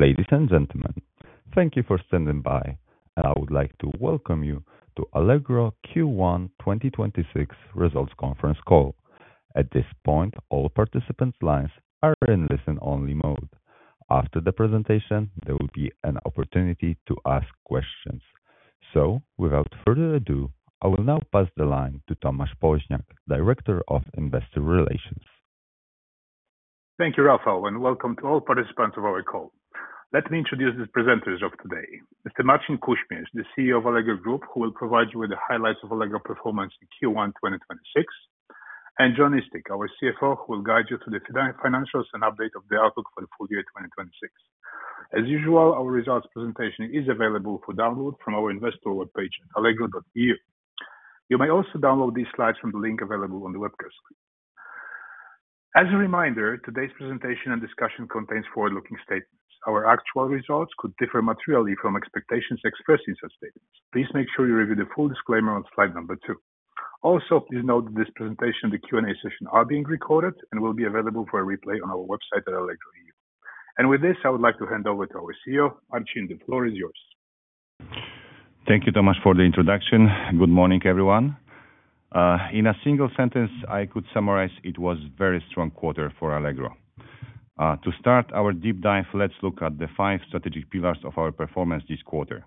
Ladies and gentlemen, thank you for standing by, and I would like to welcome you to Allegro Q1 2026 results conference call. At this point, all participants' lines are in listen-only mode. After the presentation, there will be an opportunity to ask questions. Without further ado, I will now pass the line to Tomasz Poźniak, Director of Investor Relations. Thank you, Rafa, welcome to all participants of our call. Let me introduce the presenters of today. Mr. Marcin Kuśmierz, the CEO of Allegro Group, who will provide you with the highlights of Allegro performance in Q1 2026, and Jon Eastick, our CFO, who will guide you through the financials and update of the outlook for the full year 2026. As usual, our results presentation is available for download from our investor webpage, allegro.eu. You may also download these slides from the link available on the webcast. As a reminder, today's presentation and discussion contains forward-looking statements. Our actual results could differ materially from expectations expressed in such statements. Please make sure you review the full disclaimer on slide number two. Please note that this presentation and the Q&A session are being recorded and will be available for a replay on our website at allegro.eu. With this, I would like to hand over to our CEO. Marcin, the floor is yours. Thank you, Tomasz, for the introduction. Good morning, everyone. In a single sentence, I could summarize it was very strong quarter for Allegro. To start our deep dive, let's look at the five strategic pillars of our performance this quarter.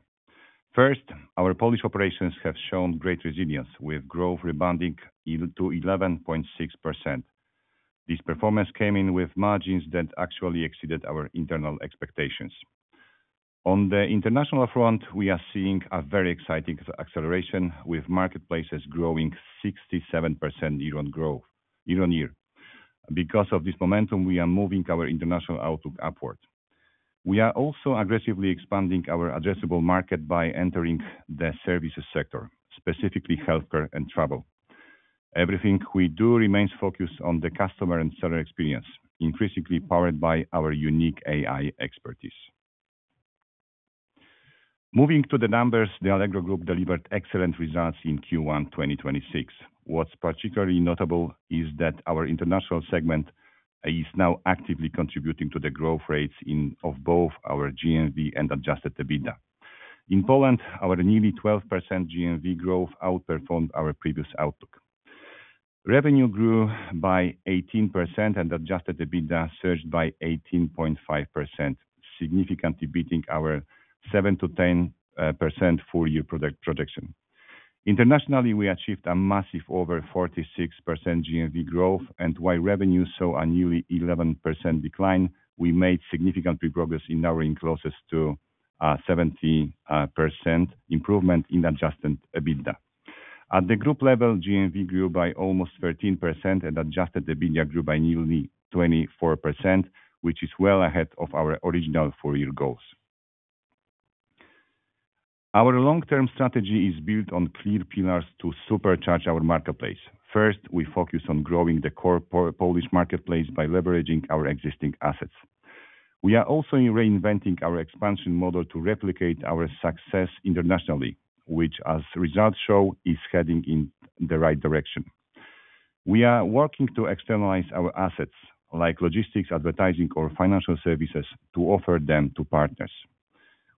First, our Polish operations have shown great resilience, with growth rebounding to 11.6%. This performance came in with margins that actually exceeded our internal expectations. On the international front, we are seeing a very exciting acceleration, with marketplaces growing 67% year on growth, year-on-year. Because of this momentum, we are moving our international outlook upward. We are also aggressively expanding our addressable market by entering the services sector, specifically healthcare and travel. Everything we do remains focused on the customer and seller experience, increasingly powered by our unique AI expertise. Moving to the numbers, the Allegro Group delivered excellent results in Q1 2026. What's particularly notable is that our international segment is now actively contributing to the growth rates in, of both our GMV and adjusted EBITDA. In Poland, our nearly 12% GMV growth outperformed our previous outlook. Revenue grew by 18%, and adjusted EBITDA surged by 18.5%, significantly beating our 7%-10% full-year projection. Internationally, we achieved a massive over 46% GMV growth, and while revenue saw a nearly 11% decline, we made significant progress in narrowing losses to 70% improvement in adjusted EBITDA. At the group level, GMV grew by almost 13% and adjusted EBITDA grew by nearly 24%, which is well ahead of our original full-year goals. Our long-term strategy is built on clear pillars to supercharge our marketplace. First, we focus on growing the core Polish marketplace by leveraging our existing assets. We are also reinventing our expansion model to replicate our success internationally, which, as results show, is heading in the right direction. We are working to externalize our assets, like logistics, advertising, or financial services, to offer them to partners.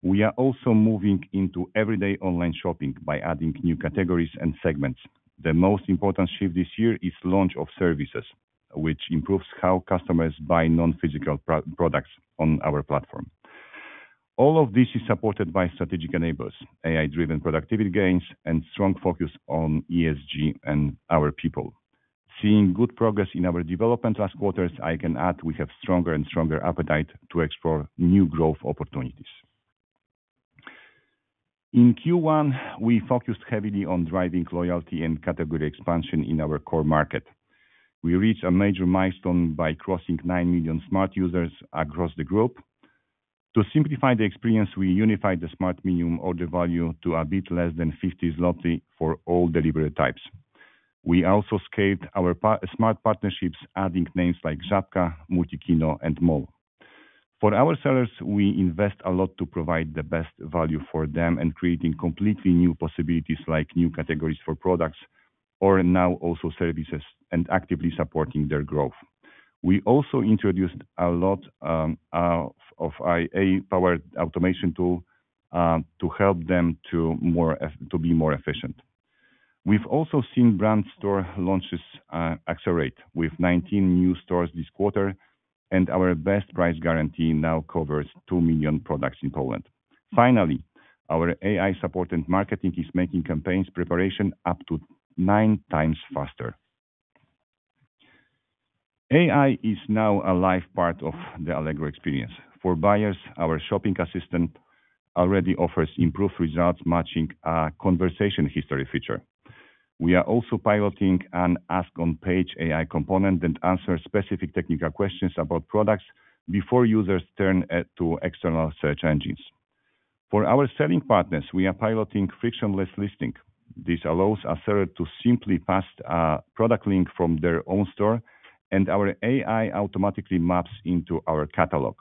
We are also moving into everyday online shopping by adding new categories and segments. The most important shift this year is launch of services, which improves how customers buy non-physical products on our platform. All of this is supported by strategic enablers, AI-driven productivity gains, and strong focus on ESG and our people. Seeing good progress in our development last quarters, I can add we have stronger and stronger appetite to explore new growth opportunities. In Q1, we focused heavily on driving loyalty and category expansion in our core market. We reached a major milestone by crossing 9 million Smart! users across the group. To simplify the experience, we unified the Smart! minimum order value to a bit less than 50 zloty for all delivery types. We also scaled our Smart! partnerships, adding names like Żabka, Multikino, and MOL. For our sellers, we invest a lot to provide the best value for them and creating completely new possibilities like new categories for products or now also services and actively supporting their growth. We also introduced a lot of AI-powered automation tool to help them to be more efficient. We've also seen brand store launches accelerate with 19 new stores this quarter, and our Best Price Guarantee now covers 2 million products in Poland. Finally, our AI support and marketing is making campaigns preparation up to 9x faster. AI is now a live part of the Allegro experience. For buyers, our shopping assistant already offers improved results, matching a conversation history feature. We are also piloting an ask-on-page AI component that answers specific technical questions about products before users turn to external search engines. For our selling partners, we are piloting frictionless listing. This allows a seller to simply paste a product link from their own store, and our AI automatically maps into our catalog.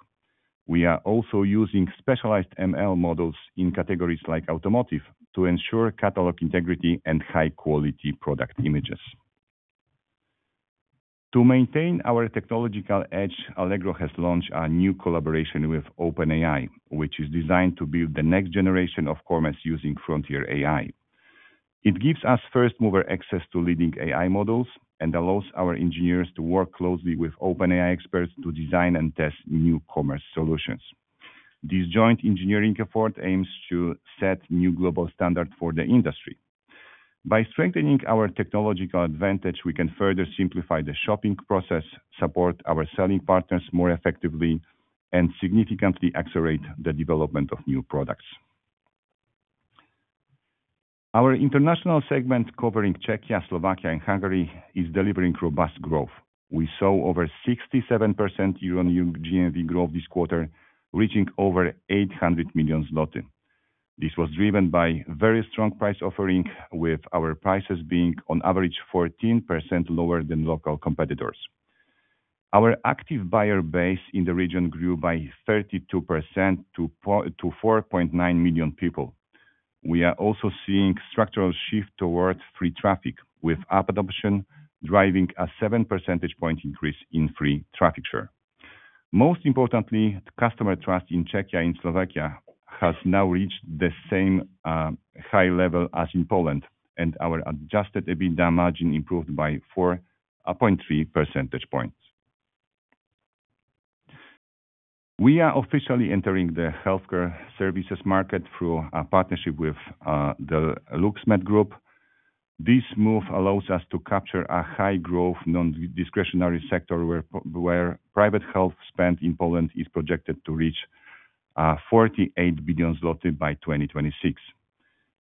We are also using specialized ML models in categories like automotive to ensure catalog integrity and high-quality product images. To maintain our technological edge, Allegro has launched a new collaboration with OpenAI, which is designed to build the next generation of commerce using frontier AI. It gives us first mover access to leading AI models and allows our engineers to work closely with OpenAI experts to design and test new commerce solutions. This joint engineering effort aims to set new global standard for the industry. By strengthening our technological advantage, we can further simplify the shopping process, support our selling partners more effectively, and significantly accelerate the development of new products. Our International segment covering Czechia, Slovakia, and Hungary is delivering robust growth. We saw over 67% year-on-year GMV growth this quarter, reaching over 800 million zloty. This was driven by very strong price offering, with our prices being on average 14% lower than local competitors. Our active buyer base in the region grew by 32% to 4.9 million people. We are also seeing structural shift towards free traffic, with app adoption driving a 7 percentage point increase in free traffic share. Most importantly, the customer trust in Czechia and Slovakia has now reached the same high level as in Poland, and our adjusted EBITDA margin improved by 4.3 percentage points. We are officially entering the healthcare services market through a partnership with the LUX MED Group. This move allows us to capture a high growth, non-discretionary sector where private health spend in Poland is projected to reach 48 billion zloty by 2026.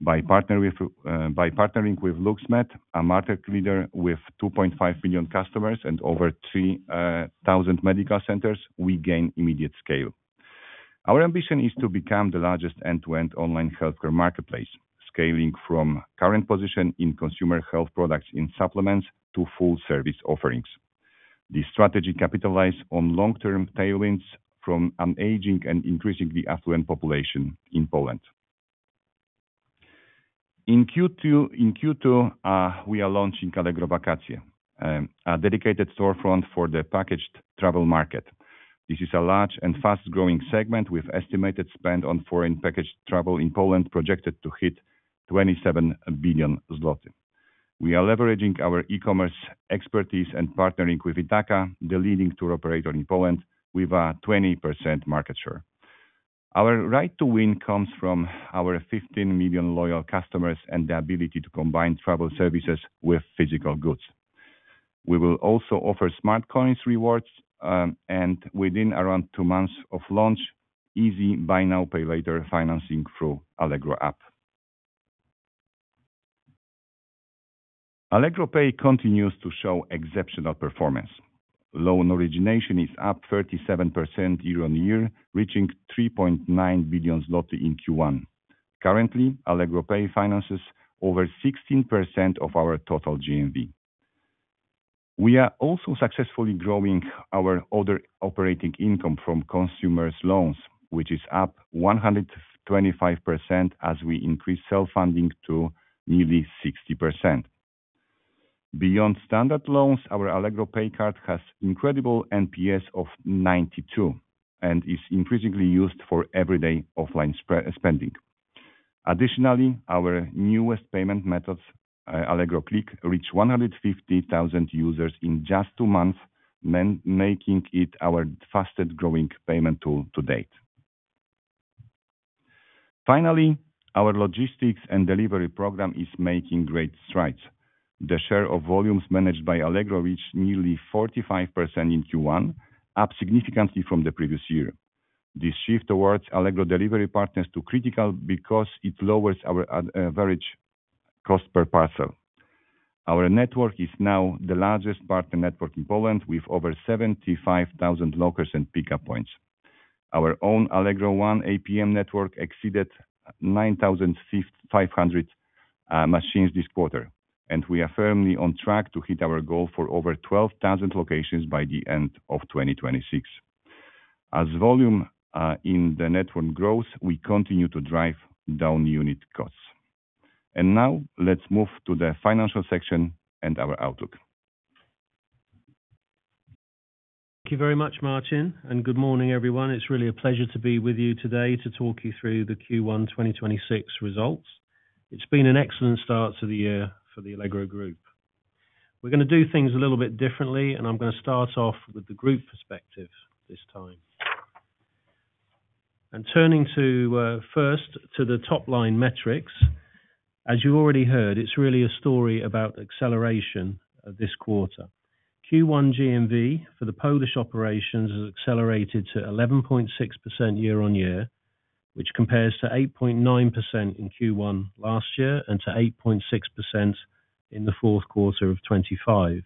By partnering with LUX MED, a market leader with 2.5 million customers and over 3,000 medical centers, we gain immediate scale. Our ambition is to become the largest end-to-end online healthcare marketplace, scaling from current position in consumer health products in supplements to full service offerings. This strategy capitalize on long-term tailwinds from an aging and increasingly affluent population in Poland. In Q2, we are launching Allegro Wakacje, a dedicated storefront for the packaged travel market. This is a large and fast-growing segment with estimated spend on foreign packaged travel in Poland projected to hit 27 billion zloty. We are leveraging our e-commerce expertise and partnering with Itaka, the leading tour operator in Poland, with a 20% market share. Our right to win comes from our 15 million loyal customers and the ability to combine travel services with physical goods. We will also offer Smart! Coins rewards, and within around 2 months of launch, easy buy now, pay later financing through Allegro app. Allegro Pay continues to show exceptional performance. Loan origination is up 37% year-on-year, reaching 3.9 billion zloty in Q1. Currently, Allegro Pay finances over 16% of our total GMV. We are also successfully growing our other operating income from consumers loans, which is up 125% as we increase self-funding to nearly 60%. Beyond standard loans, our Allegro Pay card has incredible NPS of 92 and is increasingly used for everyday offline spending. Additionally, our newest payment methods, Allegro Klik, reached 150,000 users in just two months, making it our fastest-growing payment tool to date. Finally, our logistics and delivery program is making great strides. The share of volumes managed by Allegro reached nearly 45% in Q1, up significantly from the previous year. This shift towards Allegro Delivery partners to critical because it lowers our average cost per parcel. Our network is now the largest partner network in Poland, with over 75,000 lockers and pickup points. Our own Allegro One APM network exceeded 9,500 machines this quarter. We are firmly on track to hit our goal for over 12,000 locations by the end of 2026. As volume in the network grows, we continue to drive down unit costs. Now let's move to the financial section and our outlook. Thank you very much, Marcin, and good morning, everyone. It's really a pleasure to be with you today to talk you through the Q1 2026 results. It's been an excellent start to the year for the Allegro Group. We're gonna do things a little bit differently, and I'm gonna start off with the group perspective this time. Turning to, first to the top-line metrics. As you already heard, it's really a story about acceleration of this quarter. Q1 GMV for the Polish operations has accelerated to 11.6% year-on-year, which compares to 8.9% in Q1 last year and to 8.6% in the fourth quarter of 2025.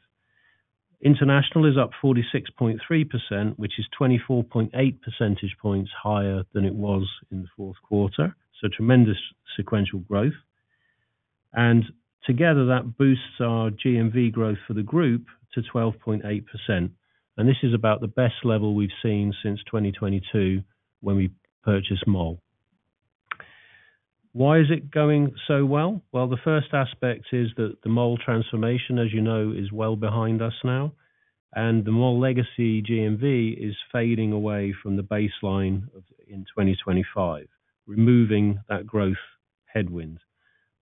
International is up 46.3%, which is 24.8 percentage points higher than it was in the fourth quarter, so tremendous sequential growth. Together, that boosts our GMV growth for the group to 12.8%, and this is about the best level we've seen since 2022 when we purchased Mall. Why is it going so well? Well, the first aspect is that the Mall transformation, as you know, is well behind us now, and the Mall legacy GMV is fading away from the baseline of, in 2025, removing that growth headwind.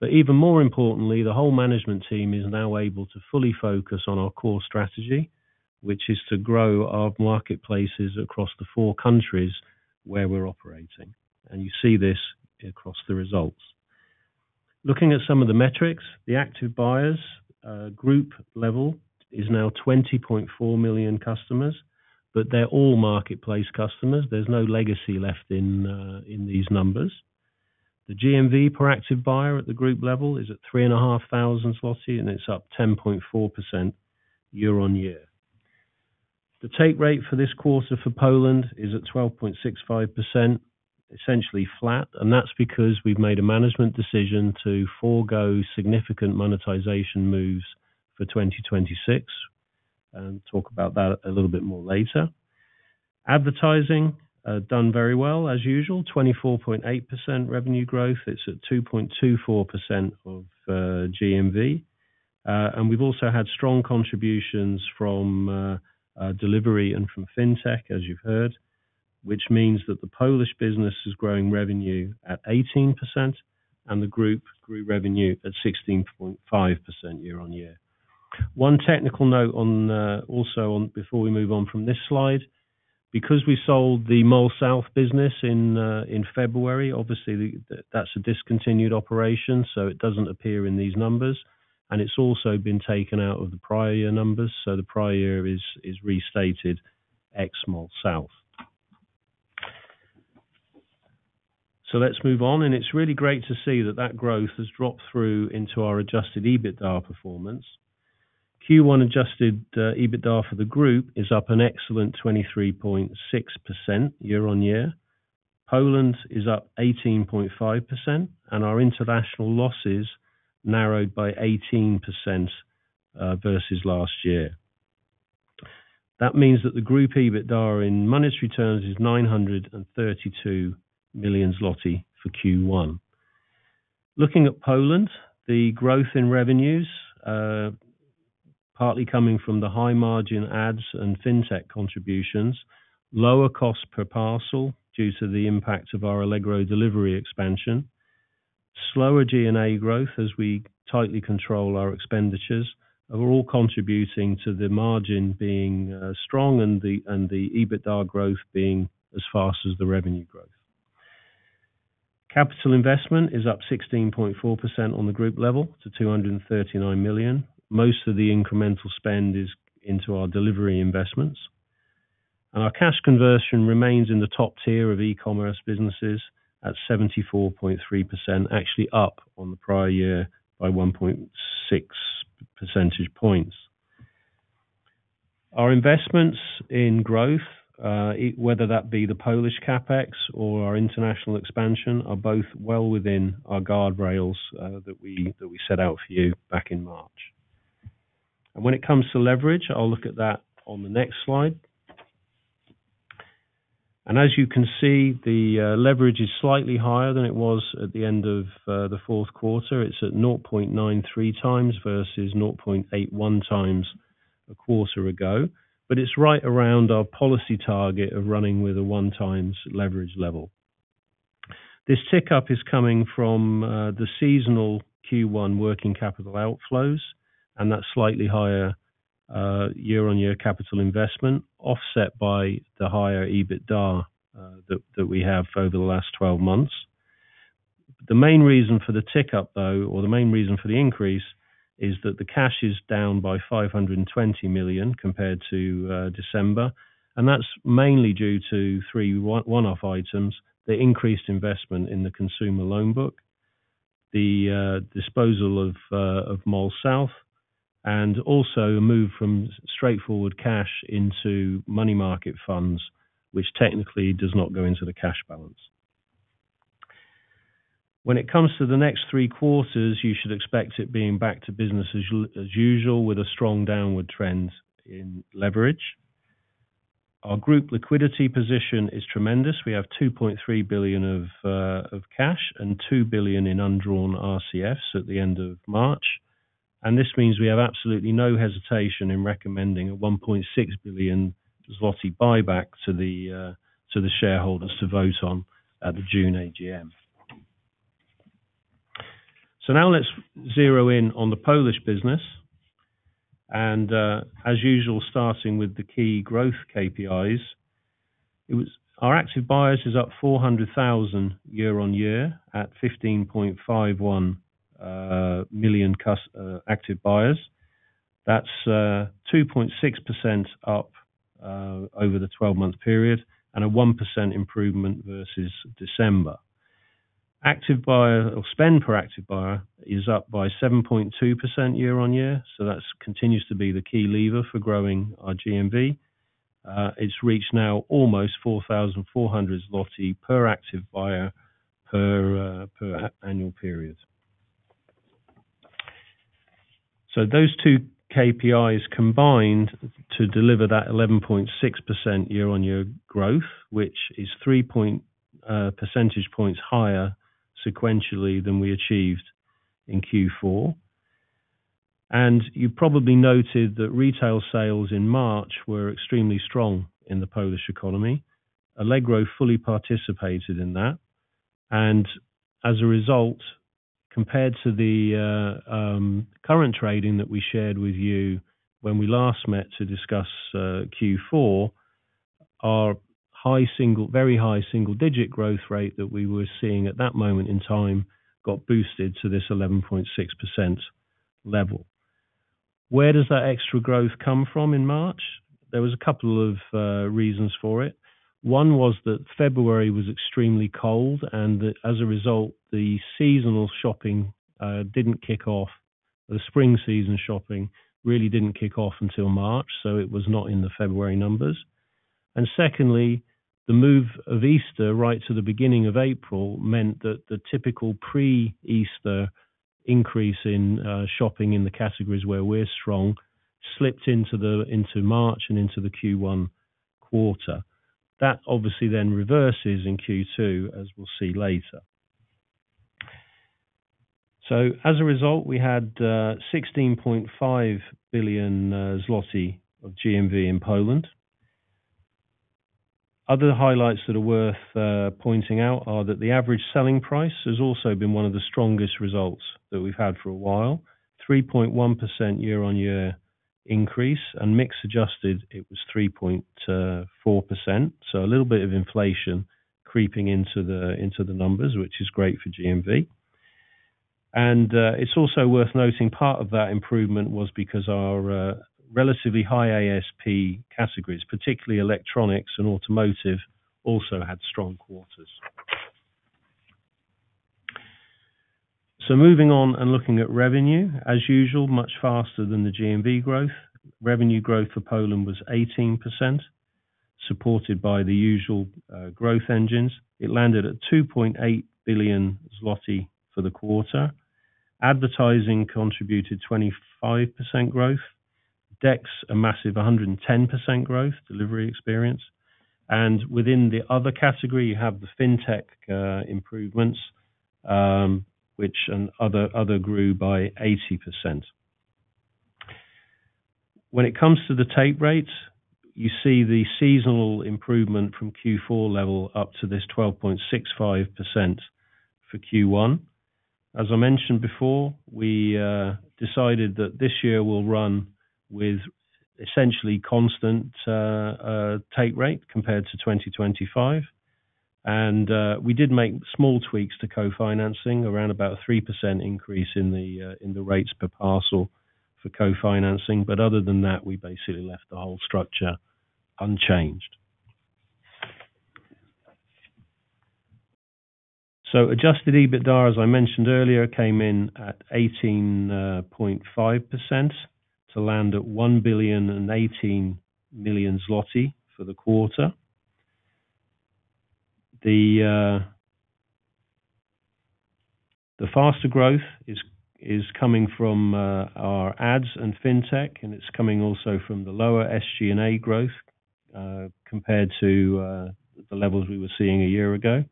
Even more importantly, the whole management team is now able to fully focus on our core strategy, which is to grow our marketplaces across the four countries where we're operating, and you see this across the results. Looking at some of the metrics, the active buyers, group level is now 20.4 million customers, but they're all marketplace customers. There's no legacy left in these numbers. The GMV per active buyer at the group level is at 3,500 zloty, and it's up 10.4% year-on-year. The take rate for this quarter for Poland is at 12.65%, essentially flat, and that's because we've made a management decision to forgo significant monetization moves for 2026, and talk about that a little bit more later. Advertising, done very well as usual, 24.8% revenue growth. It's at 2.24% of GMV. We've also had strong contributions from delivery and from Fintech, as you've heard, which means that the Polish business is growing revenue at 18%, and the group grew revenue at 16.5% year-on-year. One technical note on also before we move on from this slide, because we sold the Mall South business in February, obviously, that's a discontinued operation, so it doesn't appear in these numbers, and it's also been taken out of the prior year numbers. The prior year is restated ex Mall South. Let's move on, and it's really great to see that that growth has dropped through into our adjusted EBITDA performance. Q1 adjusted EBITDA for the group is up an excellent 23.6% year-on-year. Poland is up 18.5%, and our international losses narrowed by 18% versus last year. That means that the group EBITDA in monetary terms is 932 million zloty for Q1. Looking at Poland, the growth in revenues, partly coming from the high margin ads and Fintech contributions, lower cost per parcel due to the impact of our Allegro Delivery expansion, slower G&A growth as we tightly control our expenditures, are all contributing to the margin being strong and the EBITDA growth being as fast as the revenue growth. CapEx is up 16.4% on the group level to 239 million. Most of the incremental spend is into our delivery investments. Our cash conversion remains in the top tier of e-commerce businesses at 74.3%, actually up on the prior year by 1.6 percentage points. Our investments in growth, whether that be the Polish CapEx or our international expansion, are both well within our guardrails that we, that we set out for you back in March. When it comes to leverage, I'll look at that on the next slide. As you can see, the leverage is slightly higher than it was at the end of the fourth quarter. It's at 0.93x versus 0.81x a quarter ago. It's right around our policy target of running with a 1x leverage level. This tick-up is coming from the seasonal Q1 working capital outflows, and that slightly higher year-on-year capital investment offset by the higher EBITDA that we have over the last 12 months. The main reason for the tick-up, though, or the main reason for the increase is that the cash is down by 520 million compared to December. That's mainly due to three one-off items, the increased investment in the consumer loan book, the disposal of Mall South, and also a move from straightforward cash into money market funds, which technically does not go into the cash balance. When it comes to the next three quarters, you should expect it being back to business as usual with a strong downward trend in leverage. Our group liquidity position is tremendous. We have 2.3 billion of cash and 2 billion in undrawn RCFs at the end of March. This means we have absolutely no hesitation in recommending a 1.6 billion zloty buyback to the shareholders to vote on at the June AGM. Now let's zero in on the Polish business, and as usual, starting with the key growth KPIs. Our active buyers is up 400,000 year-on-year at 15.51 million active buyers. That's 2.6% up over the 12-month period and a 1% improvement versus December. Active buyer or spend per active buyer is up by 7.2% year-on-year, so that continues to be the key lever for growing our GMV. It's reached now almost 4,400 zloty per active buyer per annual period. Those two KPIs combined to deliver that 11.6% year-on-year growth, which is 3 percentage points higher sequentially than we achieved in Q4. You probably noted that retail sales in March were extremely strong in the Polish economy. Allegro fully participated in that. As a result, compared to the current trading that we shared with you when we last met to discuss Q4, our very high single-digit growth rate that we were seeing at that moment in time got boosted to this 11.6% level. Where does that extra growth come from in March? There was a couple of reasons for it. One was that February was extremely cold. As a result, the seasonal shopping didn't kick off. The spring season shopping really didn't kick off until March. It was not in the February numbers. Secondly, the move of Easter right to the beginning of April meant that the typical pre-Easter increase in shopping in the categories where we're strong slipped into March and into the Q1 quarter. That obviously then reverses in Q2, as we'll see later. As a result, we had 16.5 billion zloty of GMV in Poland. Other highlights that are worth pointing out are that the average selling price has also been one of the strongest results that we've had for a while, 3.1% year-on-year increase. Mix adjusted, it was 3.4%. A little bit of inflation creeping into the numbers, which is great for GMV. It's also worth noting part of that improvement was because our relatively high ASP categories, particularly electronics and automotive, also had strong quarters. Moving on and looking at revenue, as usual, much faster than the GMV growth. Revenue growth for Poland was 18%, supported by the usual growth engines. It landed at 2.8 billion zloty for the quarter. Advertising contributed 25% growth. DEX, a massive 110% growth, delivery experience. Within the other category, you have the fintech improvements, which and other grew by 80%. When it comes to the take rates, you see the seasonal improvement from Q4 level up to this 12.65% for Q1. As I mentioned before, we decided that this year we'll run with essentially constant take rate compared to 2025. We did make small tweaks to co-financing, around about 3% increase in the rates per parcel for co-financing. Other than that, we basically left the whole structure unchanged. Adjusted EBITDA, as I mentioned earlier, came in at 18.5% to land at 1.018 billion for the quarter. The faster growth is coming from our ads and fintech, and it's coming also from the lower SG&A growth compared to the levels we were seeing a year ago.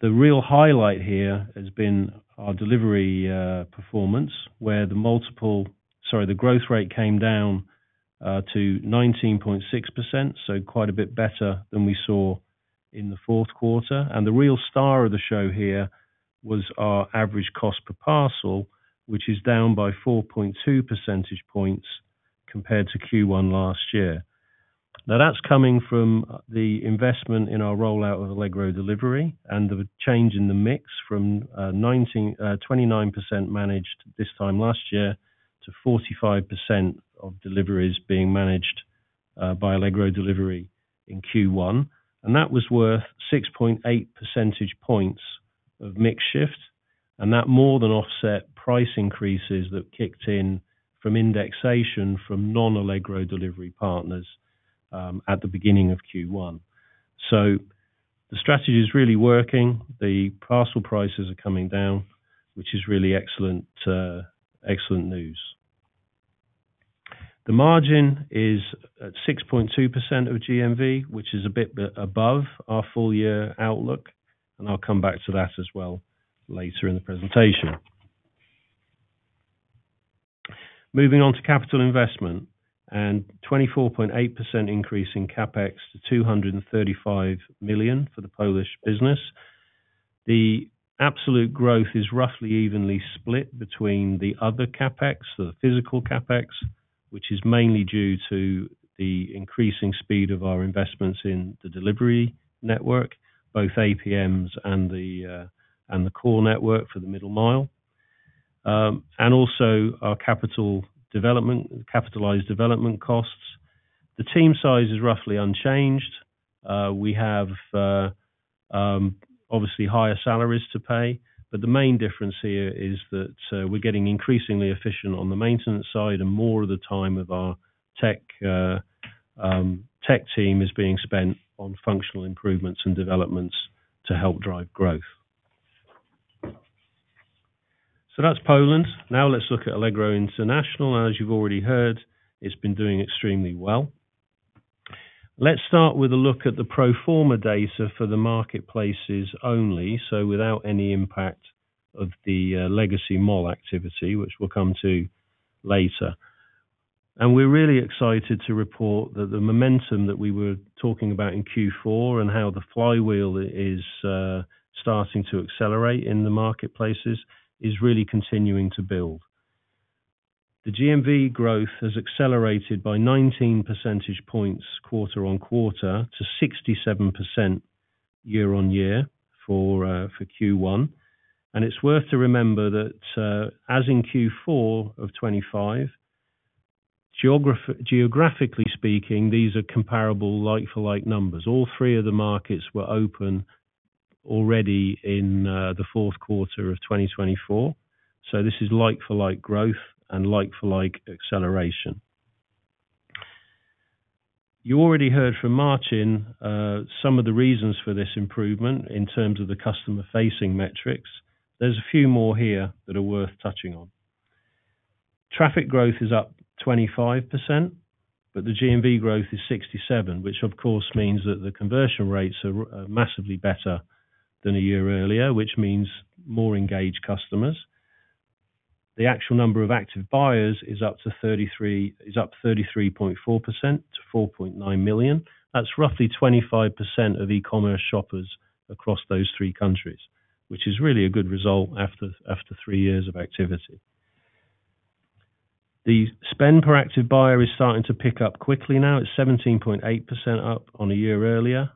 The real highlight here has been our delivery performance, where the growth rate came down to 19.6%, quite a bit better than we saw in the fourth quarter. The real star of the show here was our average cost per parcel, which is down by 4.2 percentage points compared to Q1 last year. That's coming from the investment in our rollout of Allegro Delivery and the change in the mix from 29% managed this time last year to 45% of deliveries being managed by Allegro Delivery in Q1. That was worth 6.8 percentage points of mix shift, and that more than offset price increases that kicked in from indexation from non-Allegro Delivery partners at the beginning of Q1. The strategy is really working. The parcel prices are coming down, which is really excellent news. The margin is at 6.2% of GMV, which is a bit above our full-year outlook. I'll come back to that as well later in the presentation. Moving on to capital investment, a 24.8% increase in CapEx to 235 million for the Polish business. The absolute growth is roughly evenly split between the other CapEx, so the physical CapEx, which is mainly due to the increasing speed of our investments in the delivery network, both APMs and the core network for the middle mile, and also our capitalized development costs. The team size is roughly unchanged. We have, obviously higher salaries to pay, but the main difference here is that we're getting increasingly efficient on the maintenance side and more of the time of our tech team is being spent on functional improvements and developments to help drive growth. That's Poland. Now let's look at Allegro International. As you've already heard, it's been doing extremely well. Let's start with a look at the pro forma data for the marketplaces only, so without any impact of the legacy mall activity, which we'll come to later. We're really excited to report that the momentum that we were talking about in Q4 and how the flywheel is starting to accelerate in the marketplaces is really continuing to build. The GMV growth has accelerated by 19 percentage points quarter-on-quarter to 67% year-on-year for Q1. It's worth to remember that, as in Q4 of 2025, geographically speaking, these are comparable like-for-like numbers. All three of the markets were open already in the fourth quarter of 2024. This is like-for-like growth and like-for-like acceleration. You already heard from Marcin, some of the reasons for this improvement in terms of the customer-facing metrics. There's a few more here that are worth touching on. Traffic growth is up 25%, the GMV growth is 67%, which of course means that the conversion rates are massively better than a year earlier, which means more engaged customers. The actual number of active buyers is up 33.4% to 4.9 million. That's roughly 25% of e-commerce shoppers across those three countries, which is really a good result after 3 years of activity. The spend per active buyer is starting to pick up quickly now. It's 17.8% up on a year earlier,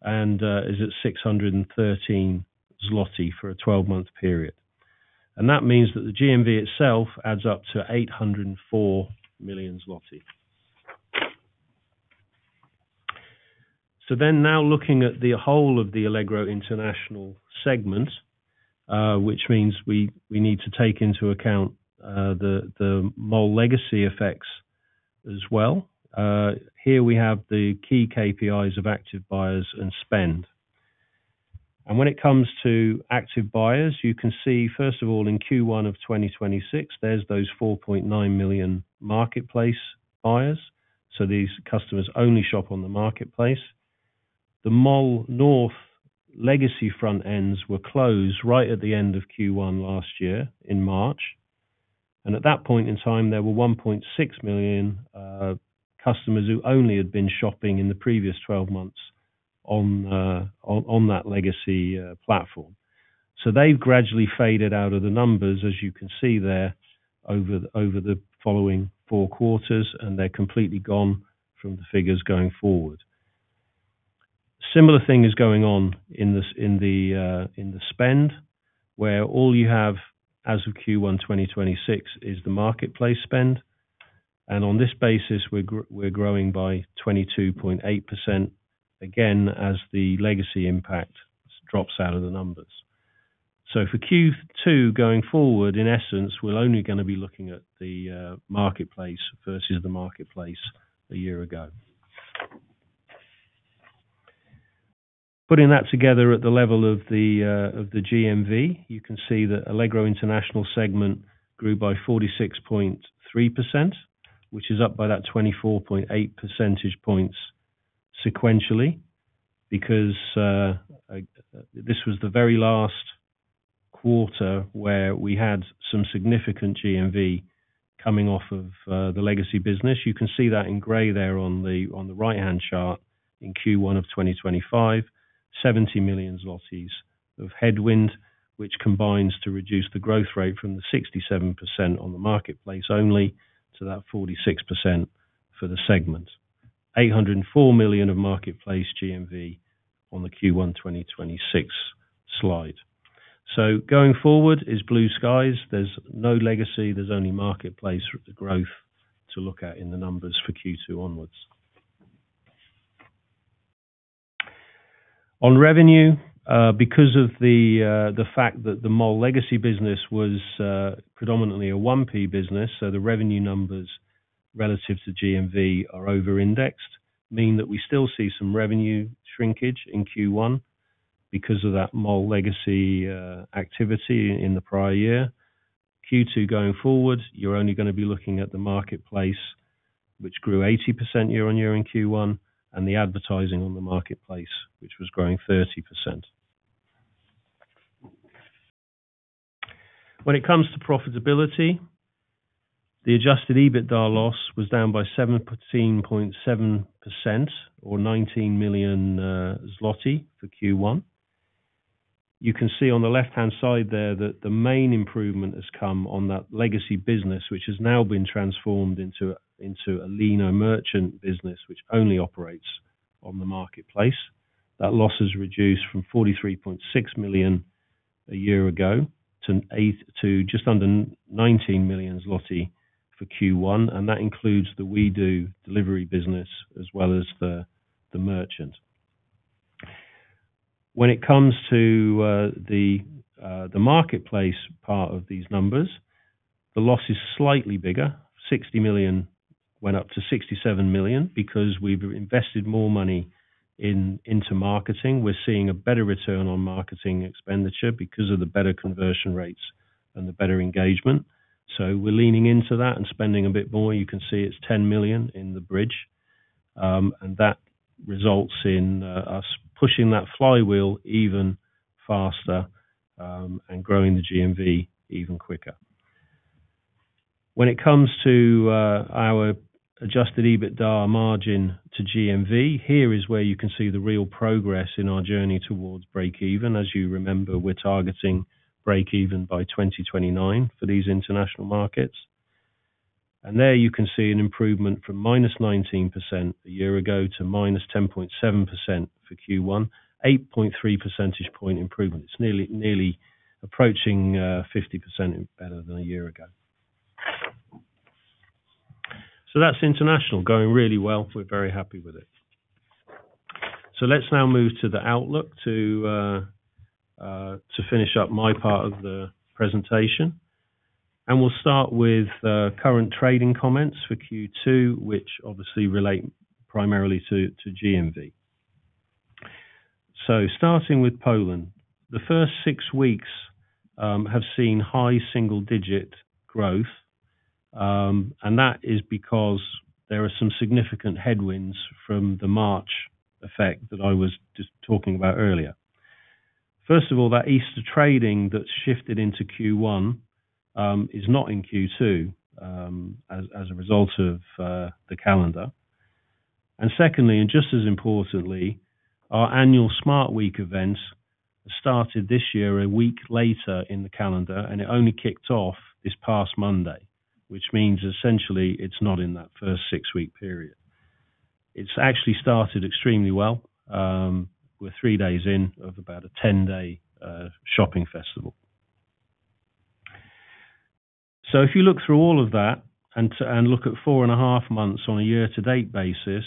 and is at 613 zloty for a 12-month period. That means that the GMV itself adds up to 804 million zloty. Now looking at the whole of the Allegro International segment, which means we need to take into account the Mall legacy effects as well. Here we have the key KPIs of active buyers and spend. When it comes to active buyers, you can see, first of all, in Q1 of 2026, there's those 4.9 million marketplace buyers. These customers only shop on the marketplace. The Mall North legacy front ends were closed right at the end of Q1 last year in March. At that point in time, there were 1.6 million customers who only had been shopping in the previous 12 months on that legacy platform. They gradually faded out of the numbers, as you can see there, over the following four quarters, and they're completely gone from the figures going forward. Similar thing is going on in the spend, where all you have as of Q1 2026 is the marketplace spend. On this basis, we're growing by 22.8%, again, as the legacy impact drops out of the numbers. For Q2 going forward, in essence, we're only gonna be looking at the marketplace versus the marketplace a year ago. Putting that together at the level of the GMV, you can see that Allegro International segment grew by 46.3%, which is up by that 24.8 percentage points sequentially, because this was the very last quarter where we had some significant GMV coming off of the legacy business. You can see that in gray there on the right-hand chart in Q1 of 2025, 70 million zlotys of headwind, which combines to reduce the growth rate from the 67% on the marketplace only to that 46% for the segment. 804 million of marketplace GMV on the Q1 2026 slide. Going forward is blue skies. There's no legacy. There's only marketplace growth to look at in the numbers for Q2 onwards. Revenue, because of the fact that the Mall legacy business was predominantly a 1P business, so the revenue numbers relative to GMV are over-indexed, mean that we still see some revenue shrinkage in Q1 because of that Mall legacy activity in the prior year. Q2 going forward, you're only gonna be looking at the marketplace, which grew 80% year-on-year in Q1, and the advertising on the marketplace, which was growing 30%. When it comes to profitability, the adjusted EBITDA loss was down by 17.7% or 19 million zloty for Q1. You can see on the left-hand side there that the main improvement has come on that legacy business, which has now been transformed into a leaner merchant business, which only operates on the marketplace. That loss is reduced from 43.6 million a year ago to just under 19 million zloty for Q1, and that includes the WE|DO delivery business as well as the merchant. The marketplace part of these numbers, the loss is slightly bigger. 60 million went up to 67 million because we've invested more money into marketing. We're seeing a better return on marketing expenditure because of the better conversion rates and the better engagement. We're leaning into that and spending a bit more. You can see it's 10 million in the bridge. That results in us pushing that flywheel even faster and growing the GMV even quicker. Our adjusted EBITDA margin to GMV, here is where you can see the real progress in our journey towards break even. As you remember, we're targeting break-even by 2029 for these international markets. There you can see an improvement from -19% a year ago to -10.7% for Q1. 8.3 percentage point improvement. It's nearly approaching 50% better than a year ago. That's international. Going really well. We're very happy with it. Let's now move to the outlook to finish up my part of the presentation. We'll start with current trading comments for Q2, which obviously relate primarily to GMV. Starting with Poland, the first six weeks have seen high single-digit growth. That is because there are some significant headwinds from the March effect that I was just talking about earlier. First of all, that Easter trading that shifted into Q1 is not in Q2 as a result of the calendar. Secondly, and just as importantly, our annual Smart! Week event started this year a week later in the calendar, and it only kicked off this past Monday, which means essentially it's not in that first six-week period. It's actually started extremely well with three days in of about a 10-day shopping festival. If you look through all of that and look at four and a half months on a year-to-date basis,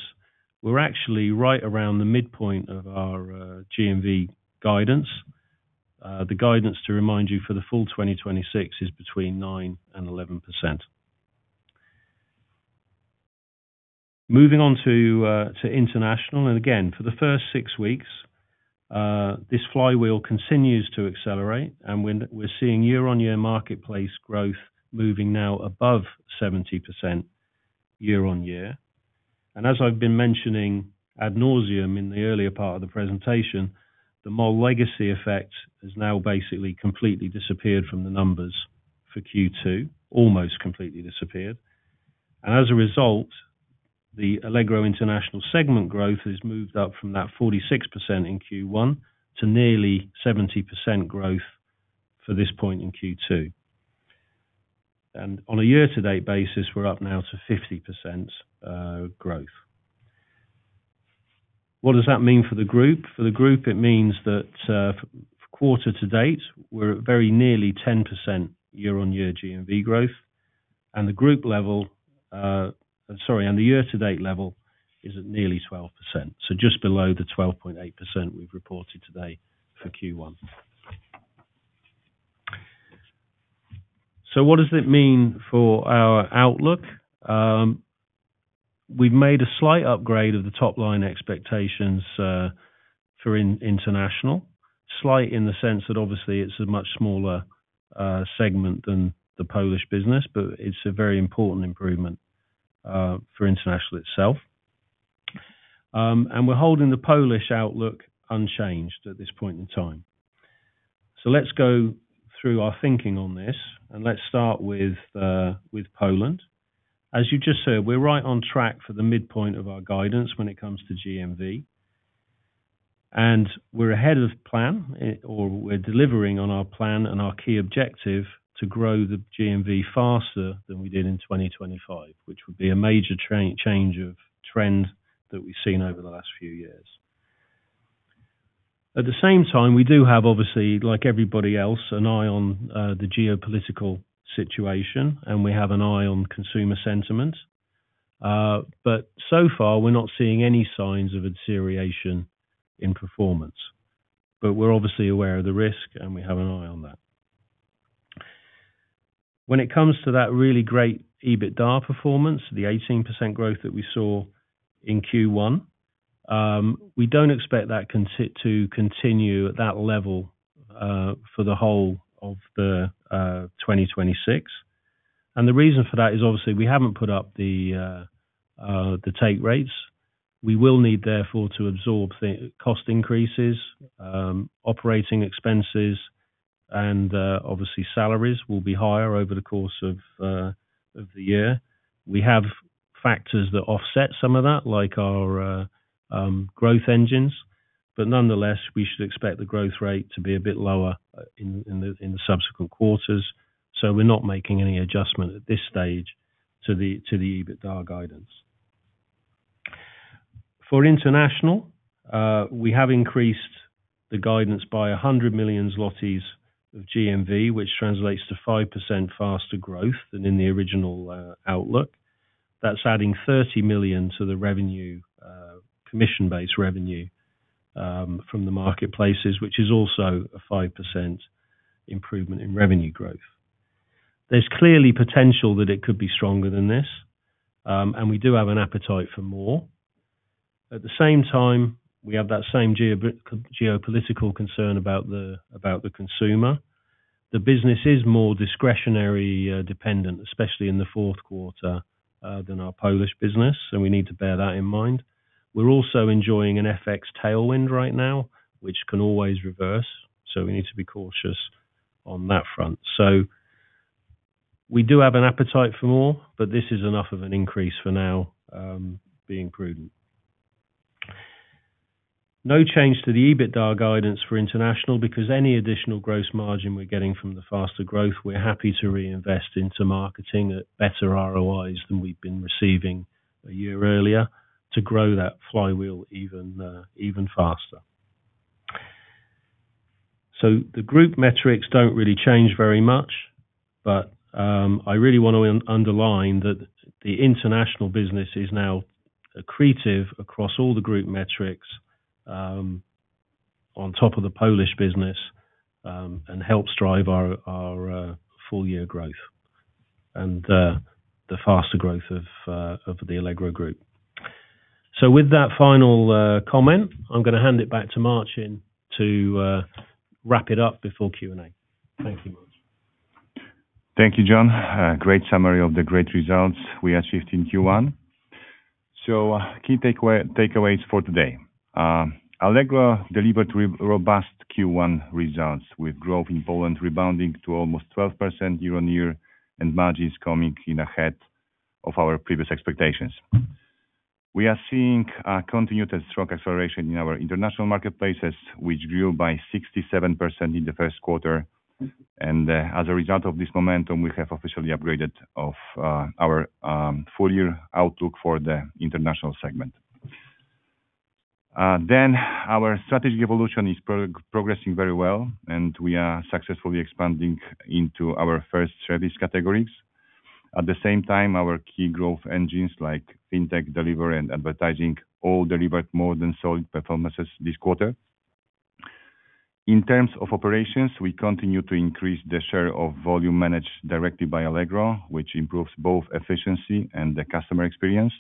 we're actually right around the midpoint of our GMV guidance. The guidance, to remind you, for the full 2026 is between 9% and 11%. Moving on to international, again, for the first six weeks, this flywheel continues to accelerate, we're seeing year-on-year marketplace growth moving now above 70% year-on-year. As I've been mentioning ad nauseam in the earlier part of the presentation, the Mall legacy effect has now basically completely disappeared from the numbers for Q2. Almost completely disappeared. As a result, the Allegro International segment growth has moved up from that 46% in Q1 to nearly 70% growth for this point in Q2. On a year-to-date basis, we're up now to 50% growth. What does that mean for the group? For the group, it means that for quarter-to-date, we're at very nearly 10% year-on-year GMV growth. The year-to-date level is at nearly 12%. Just below the 12.8% we've reported today for Q1. What does it mean for our outlook? We've made a slight upgrade of the top-line expectations for International. Slight in the sense that obviously it's a much smaller segment than the Polish business, but it's a very important improvement for International itself. We're holding the Polish outlook unchanged at this point in time. Let's go through our thinking on this, and let's start with Poland. As you just said, we're right on track for the midpoint of our guidance when it comes to GMV. We're ahead of plan, or we're delivering on our plan and our key objective to grow the GMV faster than we did in 2025, which would be a major change of trend that we've seen over the last few years. At the same time, we do have, obviously, like everybody else, an eye on the geopolitical situation, and we have an eye on consumer sentiment. So far, we're not seeing any signs of deterioration in performance. We're obviously aware of the risk, and we have an eye on that. When it comes to that really great EBITDA performance, the 18% growth that we saw in Q1, we don't expect that to continue at that level for the whole of 2026. The reason for that is obviously we haven't put up the take rates. We will need therefore to absorb the cost increases, operating expenses, and obviously salaries will be higher over the course of the year. We have factors that offset some of that, like our growth engines. Nonetheless, we should expect the growth rate to be a bit lower in the subsequent quarters, so we're not making any adjustment at this stage to the EBITDA guidance. For International, we have increased the guidance by 100 million zlotys of GMV, which translates to 5% faster growth than in the original outlook. That's adding 30 million to the revenue, commission-based revenue from the marketplaces, which is also a 5% improvement in revenue growth. There's clearly potential that it could be stronger than this, and we do have an appetite for more. At the same time, we have that same geopolitical concern about the consumer. The business is more discretionary, dependent, especially in the fourth quarter, than our Polish business, so we need to bear that in mind. We're also enjoying an FX tailwind right now, which can always reverse. We need to be cautious on that front. We do have an appetite for more, but this is enough of an increase for now, being prudent. No change to the EBITDA guidance for Allegro International because any additional gross margin we're getting from the faster growth, we're happy to reinvest into marketing at better ROIs than we've been receiving a year earlier to grow that flywheel even faster. The group metrics don't really change very much, but I really want to underline that the International business is now accretive across all the group metrics on top of the Polish business and helps drive our full year growth and the faster growth of the Allegro Group. With that final comment, I'm gonna hand it back to Marcin to wrap it up before Q&A. Thank you, Marcin. Thank you, Jon. Great summary of the great results we achieved in Q1. Key takeaways for today. Allegro delivered robust Q1 results with growth in Poland rebounding to almost 12% year-on-year and margins coming in ahead of our previous expectations. We are seeing a continued and strong acceleration in our international marketplaces, which grew by 67% in the first quarter. As a result of this momentum, we have officially upgraded our full year outlook for the international segment. Our strategy evolution is progressing very well, and we are successfully expanding into our first service categories. At the same time, our key growth engines like fintech, deliver and advertising, all delivered more than solid performances this quarter. In terms of operations, we continue to increase the share of volume managed directly by Allegro, which improves both efficiency and the customer experience.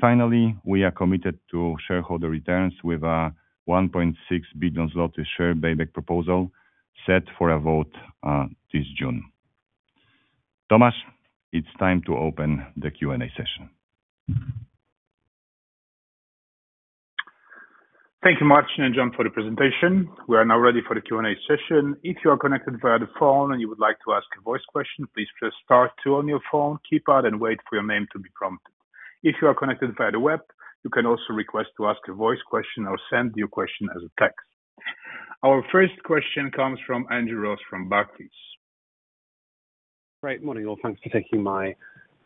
Finally, we are committed to shareholder returns with a 1.6 billion zloty share buyback proposal set for a vote this June. Tomasz, it's time to open the Q&A session. Thank you, Marcin and Jon, for the presentation. We are now ready for the Q&A session. If you are connected via the phone and you would like to ask a voice question, please press star two on your phone, keep out, and wait for your name to be prompted. If you are connected via the web, you can also request to ask a voice question or send your question as a text. Our first question comes from Andrew Ross from Barclays. Great morning, all. Thanks for taking my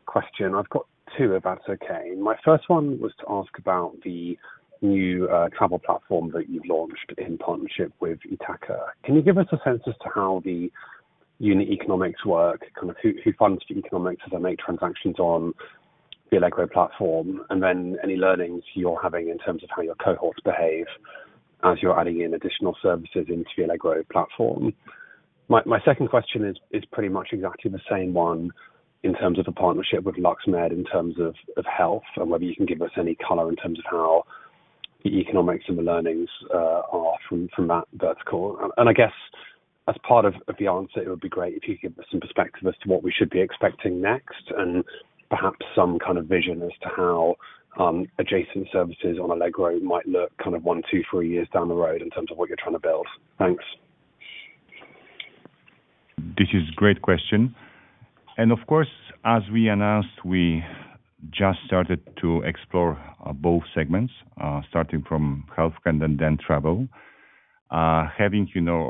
question. I've got two, if that's okay. My first one was to ask about the new travel platform that you've launched in partnership with Itaka. Can you give us a sense as to how the unit economics work? Kind of who funds the economics as they make transactions on the Allegro platform? Any learnings you're having in terms of how your cohorts behave as you're adding in additional services into the Allegro platform. My second question is pretty much exactly the same one in terms of the partnership with LUX MED in terms of health, and whether you can give us any color in terms of how the economics and the learnings are from that vertical. I guess as part of the answer, it would be great if you could give us some perspective as to what we should be expecting next, and perhaps some kind of vision as to how adjacent services on Allegro might look kind of one, two, three years down the road in terms of what you're trying to build. Thanks. This is great question. Of course, as we announced, we just started to explore both segments, starting from health and then travel. Having, you know,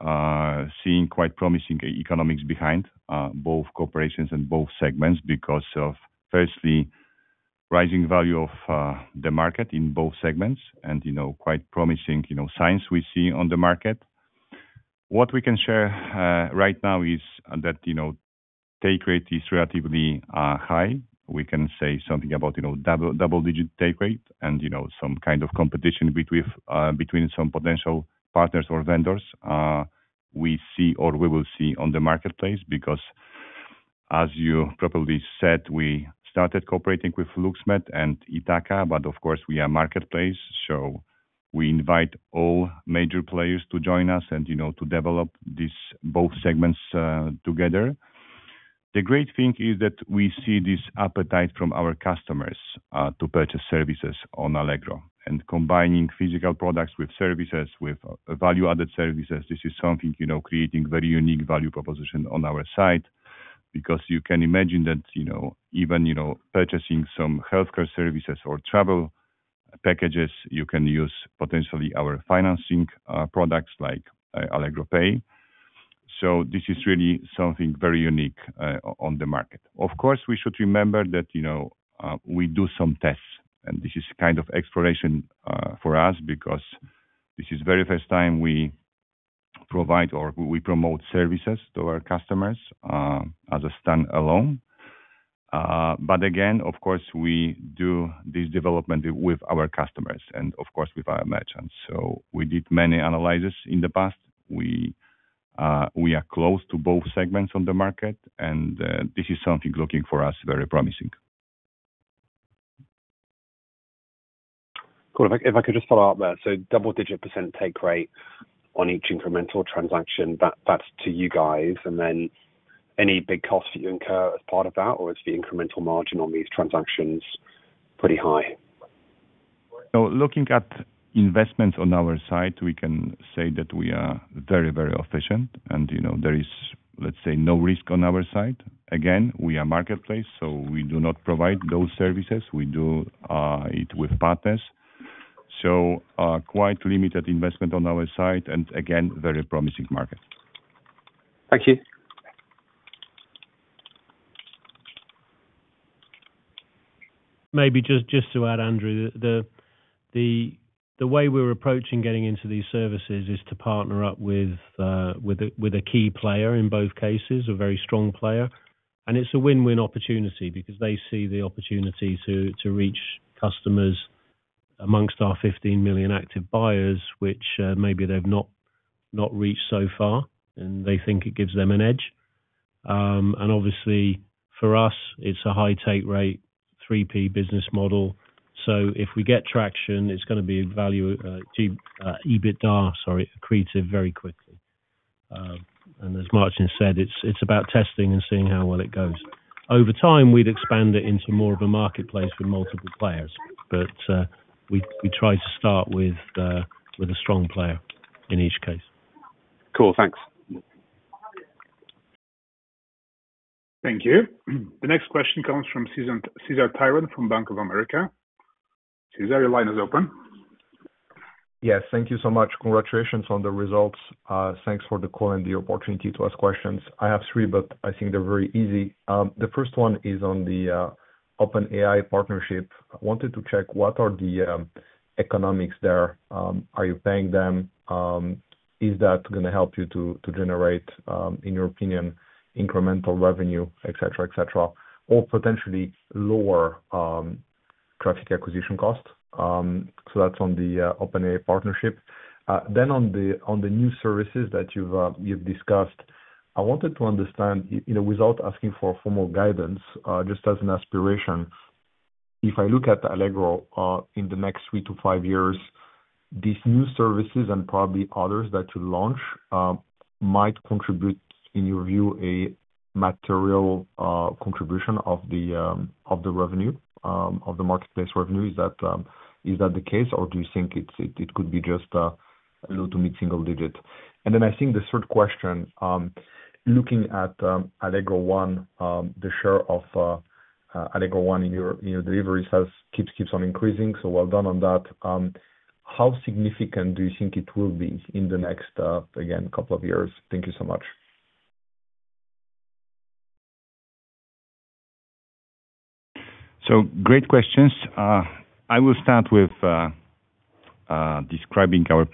or seeing quite promising economics behind both corporations and both segments because of, firstly, rising value of the market in both segments and, you know, quite promising, you know, signs we see on the market. What we can share right now is that, you know, take rate is relatively high. We can say something about, you know, double-digit take rate and, you know, some kind of competition between some potential partners or vendors we see or we will see on the marketplace. As you probably said, we started cooperating with LUX MED and Itaka, but of course, we are marketplace, so we invite all major players to join us and, you know, to develop these both segments together. The great thing is that we see this appetite from our customers to purchase services on Allegro. Combining physical products with services, with value-added services, this is something, you know, creating very unique value proposition on our side. You can imagine that, you know, even, you know, purchasing some healthcare services or travel packages, you can use potentially our financing products like Allegro Pay. This is really something very unique on the market. Of course, we should remember that, you know, we do some tests, and this is kind of exploration for us because this is very first time we provide or we promote services to our customers as a standalone. Again, of course, we do this development with our customers and of course with our merchants. We did many analyses in the past. We are close to both segments on the market, and this is something looking for us very promising. Cool. If I could just follow up there. Double-digit percent take rate on each incremental transaction, that's to you guys, any big costs that you incur as part of that, or is the incremental margin on these transactions pretty high? Looking at investments on our side, we can say that we are very, very efficient and, you know, there is, let's say, no risk on our side. Again, we are marketplace, so we do not provide those services. We do it with partners. Quite limited investment on our side, and again, very promising market. Thank you. Maybe to add, Andrew, the way we're approaching getting into these services is to partner up with a key player in both cases, a very strong player. It's a win-win opportunity because they see the opportunity to reach customers amongst our 15 million active buyers, which maybe they've not reached so far, and they think it gives them an edge. Obviously for us it's a high take rate, 3P business model. If we get traction, it's gonna be value, EBITDA, sorry, accretive very quickly. As Marcin said, it's about testing and seeing how well it goes. Over time, we'd expand it into more of a marketplace with multiple players, but we try to start with a strong player in each case. Cool. Thanks. Thank you. The next question comes from Cesar Tiron from Bank of America. Cesar, your line is open. Yes. Thank you so much. Congratulations on the results. Thanks for the call and the opportunity to ask questions. I have three, but I think they're very easy. The first one is on the OpenAI partnership. I wanted to check what are the economics there. Are you paying them? Is that gonna help you to generate, in your opinion, incremental revenue, et cetera, et cetera, or potentially lower traffic acquisition costs? So that's on the OpenAI partnership. On the new services that you've discussed, I wanted to understand, you know, without asking for formal guidance, just as an aspiration, if I look at Allegro in the next three to five years, these new services and probably others that you launch might contribute, in your view, a material contribution of the revenue of the marketplace revenue. Is that the case, or do you think it could be just low to mid-single-digit? I think the third question, looking at Allegro One, the share of Allegro One in your delivery sales keeps on increasing. Well done on that. How significant do you think it will be in the next, again, couple of years? Thank you so much. Great questions. I will start with describing our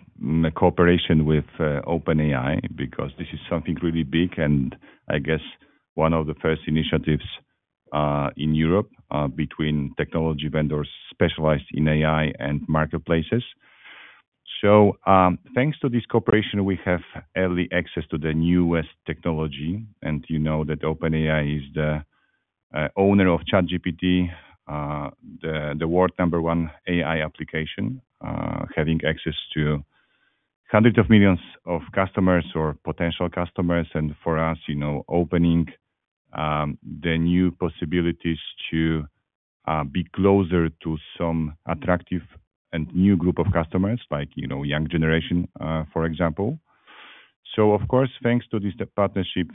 cooperation with OpenAI, because this is something really big and I guess one of the first initiatives in Europe between technology vendors specialized in AI and marketplaces. Thanks to this cooperation, we have early access to the newest technology, and you know that OpenAI is the owner of ChatGPT, the world number one AI application, having access to hundreds of millions of customers or potential customers, and for us, you know, opening the new possibilities to be closer to some attractive and new group of customers like, you know, young generation, for example. Of course, thanks to this partnership,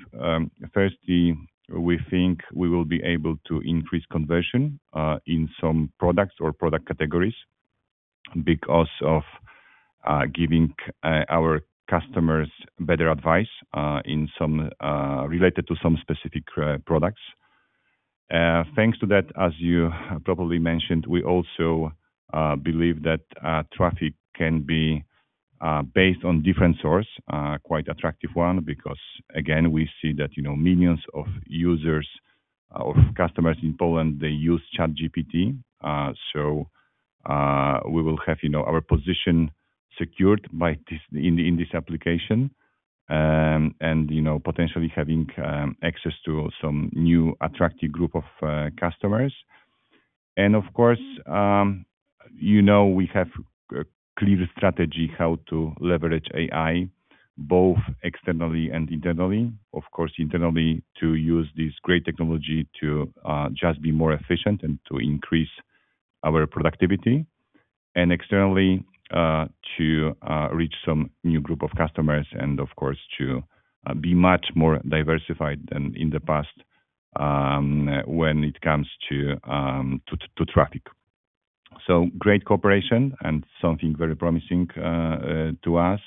firstly, we think we will be able to increase conversion in some products or product categories because of giving our customers better advice related to some specific products. Thanks to that, as you probably mentioned, we also believe that traffic can be based on different source, quite attractive one, because again, we see that, you know, millions of users or customers in Poland, they use ChatGPT. We will have, you know, our position secured by this in this application, and, you know, potentially having access to some new attractive group of customers. Of course, you know, we have a clear strategy how to leverage AI both externally and internally. Of course, internally to use this great technology to just be more efficient and to increase our productivity, and externally to reach some new group of customers and of course to be much more diversified than in the past, when it comes to traffic. Great cooperation and something very promising to us.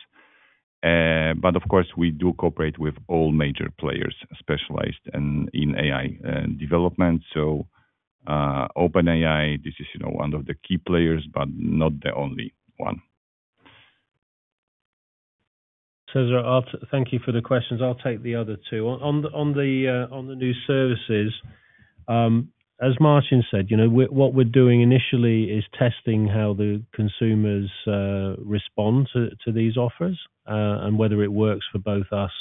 Of course, we do cooperate with all major players specialized in AI development. OpenAI, this is, you know, one of the key players, but not the only one. Cesar, I'll thank you for the questions. I'll take the other two. On the new services, as Marcin said, you know, what we're doing initially is testing how the consumers respond to these offers and whether it works for both us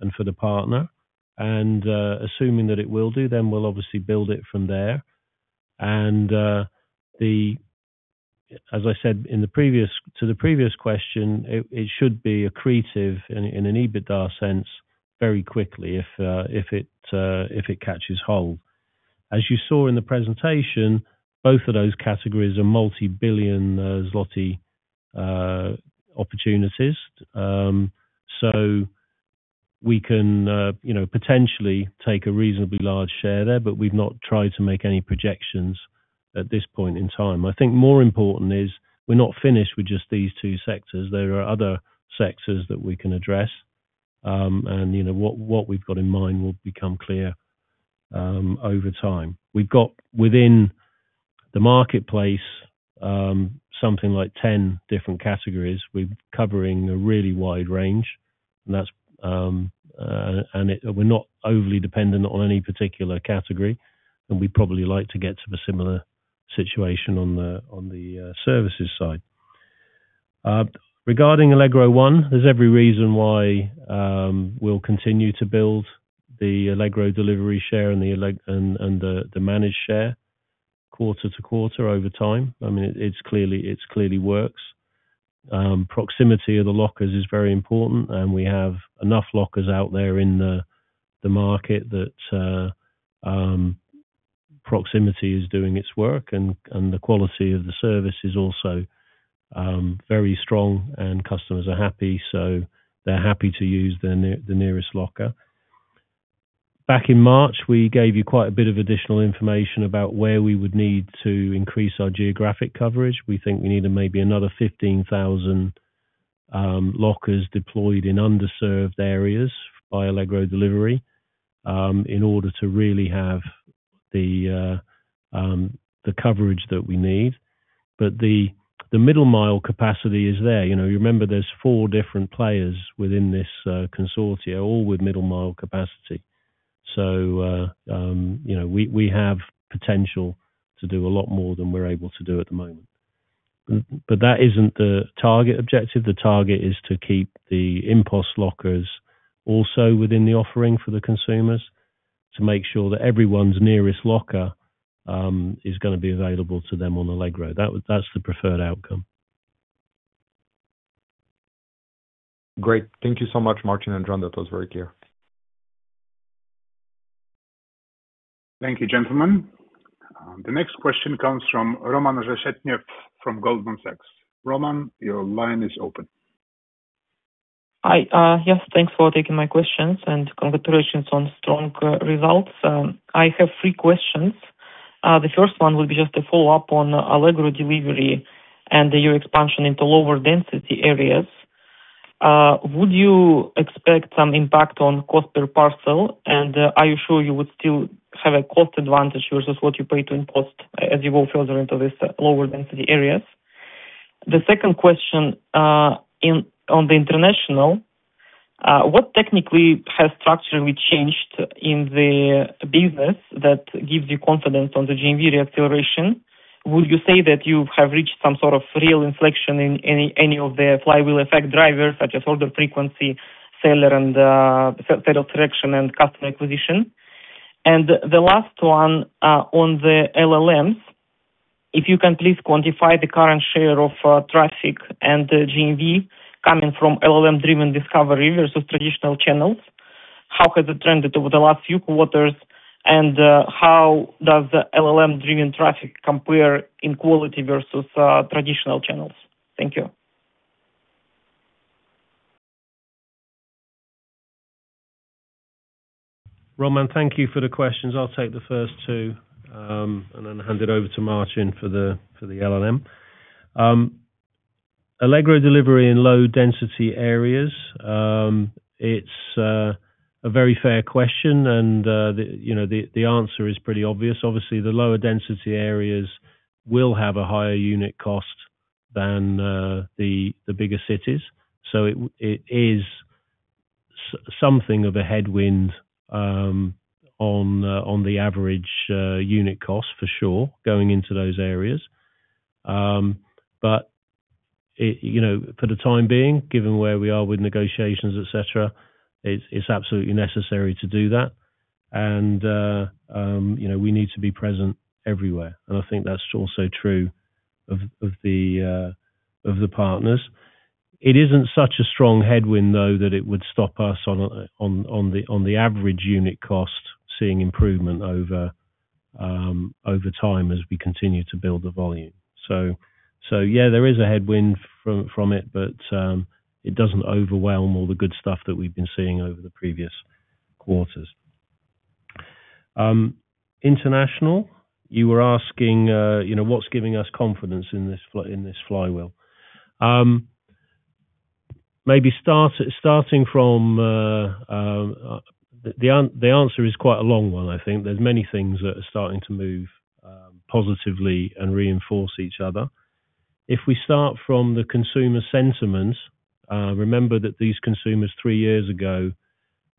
and for the partner. Assuming that it will do, we'll obviously build it from there. As I said to the previous question, it should be accretive in an EBITDA sense very quickly if it catches hold. As you saw in the presentation, both of those categories are multi-billion złoty opportunities. We can, you know, potentially take a reasonably large share there, we've not tried to make any projections at this point in time. I think more important is we're not finished with just these two sectors. There are other sectors that we can address. You know, what we've got in mind will become clear over time. We've got within the marketplace, something like 10 different categories. We're covering a really wide range, we're not overly dependent on any particular category, and we probably like to get to a similar situation on the services side. Regarding Allegro One, there's every reason why we'll continue to build the Allegro Delivery share and the managed share quarter-to-quarter over time. I mean, it clearly works. Proximity of the lockers is very important, and we have enough lockers out there in the market that proximity is doing its work and the quality of the service is also very strong and customers are happy, so they're happy to use the nearest locker. Back in March, we gave you quite a bit of additional information about where we would need to increase our geographic coverage. We think we need maybe another 15,000 lockers deployed in underserved areas by Allegro Delivery in order to really have the coverage that we need. The middle mile capacity is there. You know, you remember there's four different players within this consortia, all with middle mile capacity. You know, we have potential to do a lot more than we're able to do at the moment. That isn't the target objective. The target is to keep the InPost lockers also within the offering for the consumers to make sure that everyone's nearest locker is gonna be available to them on Allegro. That's the preferred outcome. Great. Thank you so much, Marcin and Jon. That was very clear. Thank you, gentlemen. The next question comes from Roman Reshetnev from Goldman Sachs. Roman, your line is open. Hi. Yes, thanks for taking my questions and congratulations on strong results. I have three questions. The first one will be just a follow-up on Allegro Delivery and your expansion into lower density areas. Would you expect some impact on cost per parcel? Are you sure you would still have a cost advantage versus what you pay to InPost as you go further into this lower density areas? The second question on the international, what technically has structurally changed in the business that gives you confidence on the GMV acceleration? Would you say that you have reached some sort of real inflection in any of the flywheel effect drivers such as order frequency, seller and seller selection, and customer acquisition? The last one, on the LLMs, if you can please quantify the current share of traffic and the GMV coming from LLM-driven discovery versus traditional channels. How has it trended over the last few quarters? How does the LLM-driven traffic compare in quality versus traditional channels? Thank you. Roman, thank you for the questions. I'll take the first two, and then hand it over to Marcin for the LLM. Allegro Delivery in low density areas, it's a very fair question and, you know, the answer is pretty obvious. Obviously, the lower density areas will have a higher unit cost than the bigger cities. It is something of a headwind on the average unit cost for sure going into those areas. It, you know, for the time being, given where we are with negotiations, et cetera, it's absolutely necessary to do that. You know, we need to be present everywhere. I think that's also true of the partners. It isn't such a strong headwind, though, that it would stop us on the average unit cost seeing improvement over time as we continue to build the volume. Yeah, there is a headwind from it, but it doesn't overwhelm all the good stuff that we've been seeing over the previous quarters. International, you were asking, you know, what's giving us confidence in this flywheel. Maybe starting from the answer is quite a long one, I think. There's many things that are starting to move positively and reinforce each other. If we start from the consumer sentiments, remember that these consumers three years ago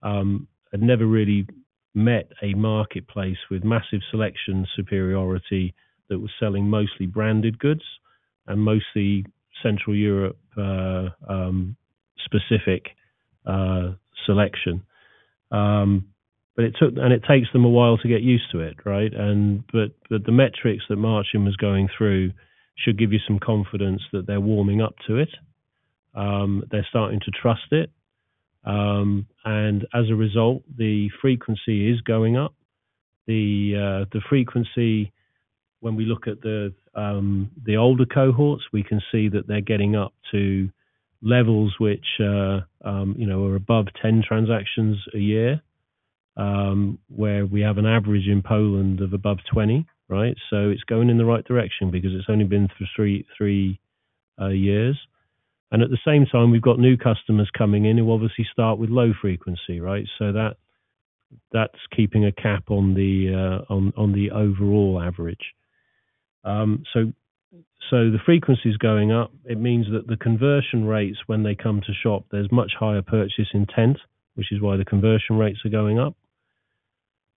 had never really met a marketplace with massive selection superiority that was selling mostly branded goods and mostly Central Europe specific selection. It takes them a while to get used to it, right? The metrics that Marcin was going through should give you some confidence that they're warming up to it. They're starting to trust it. As a result, the frequency is going up. The frequency when we look at the older cohorts, we can see that they're getting up to levels which, you know, are above 10 transactions a year. Where we have an average in Poland of above 20, right? It's going in the right direction because it's only been three years. At the same time, we've got new customers coming in who obviously start with low frequency, right? That, that's keeping a cap on the overall average. The frequency's going up. It means that the conversion rates when they come to shop, there's much higher purchase intent, which is why the conversion rates are going up.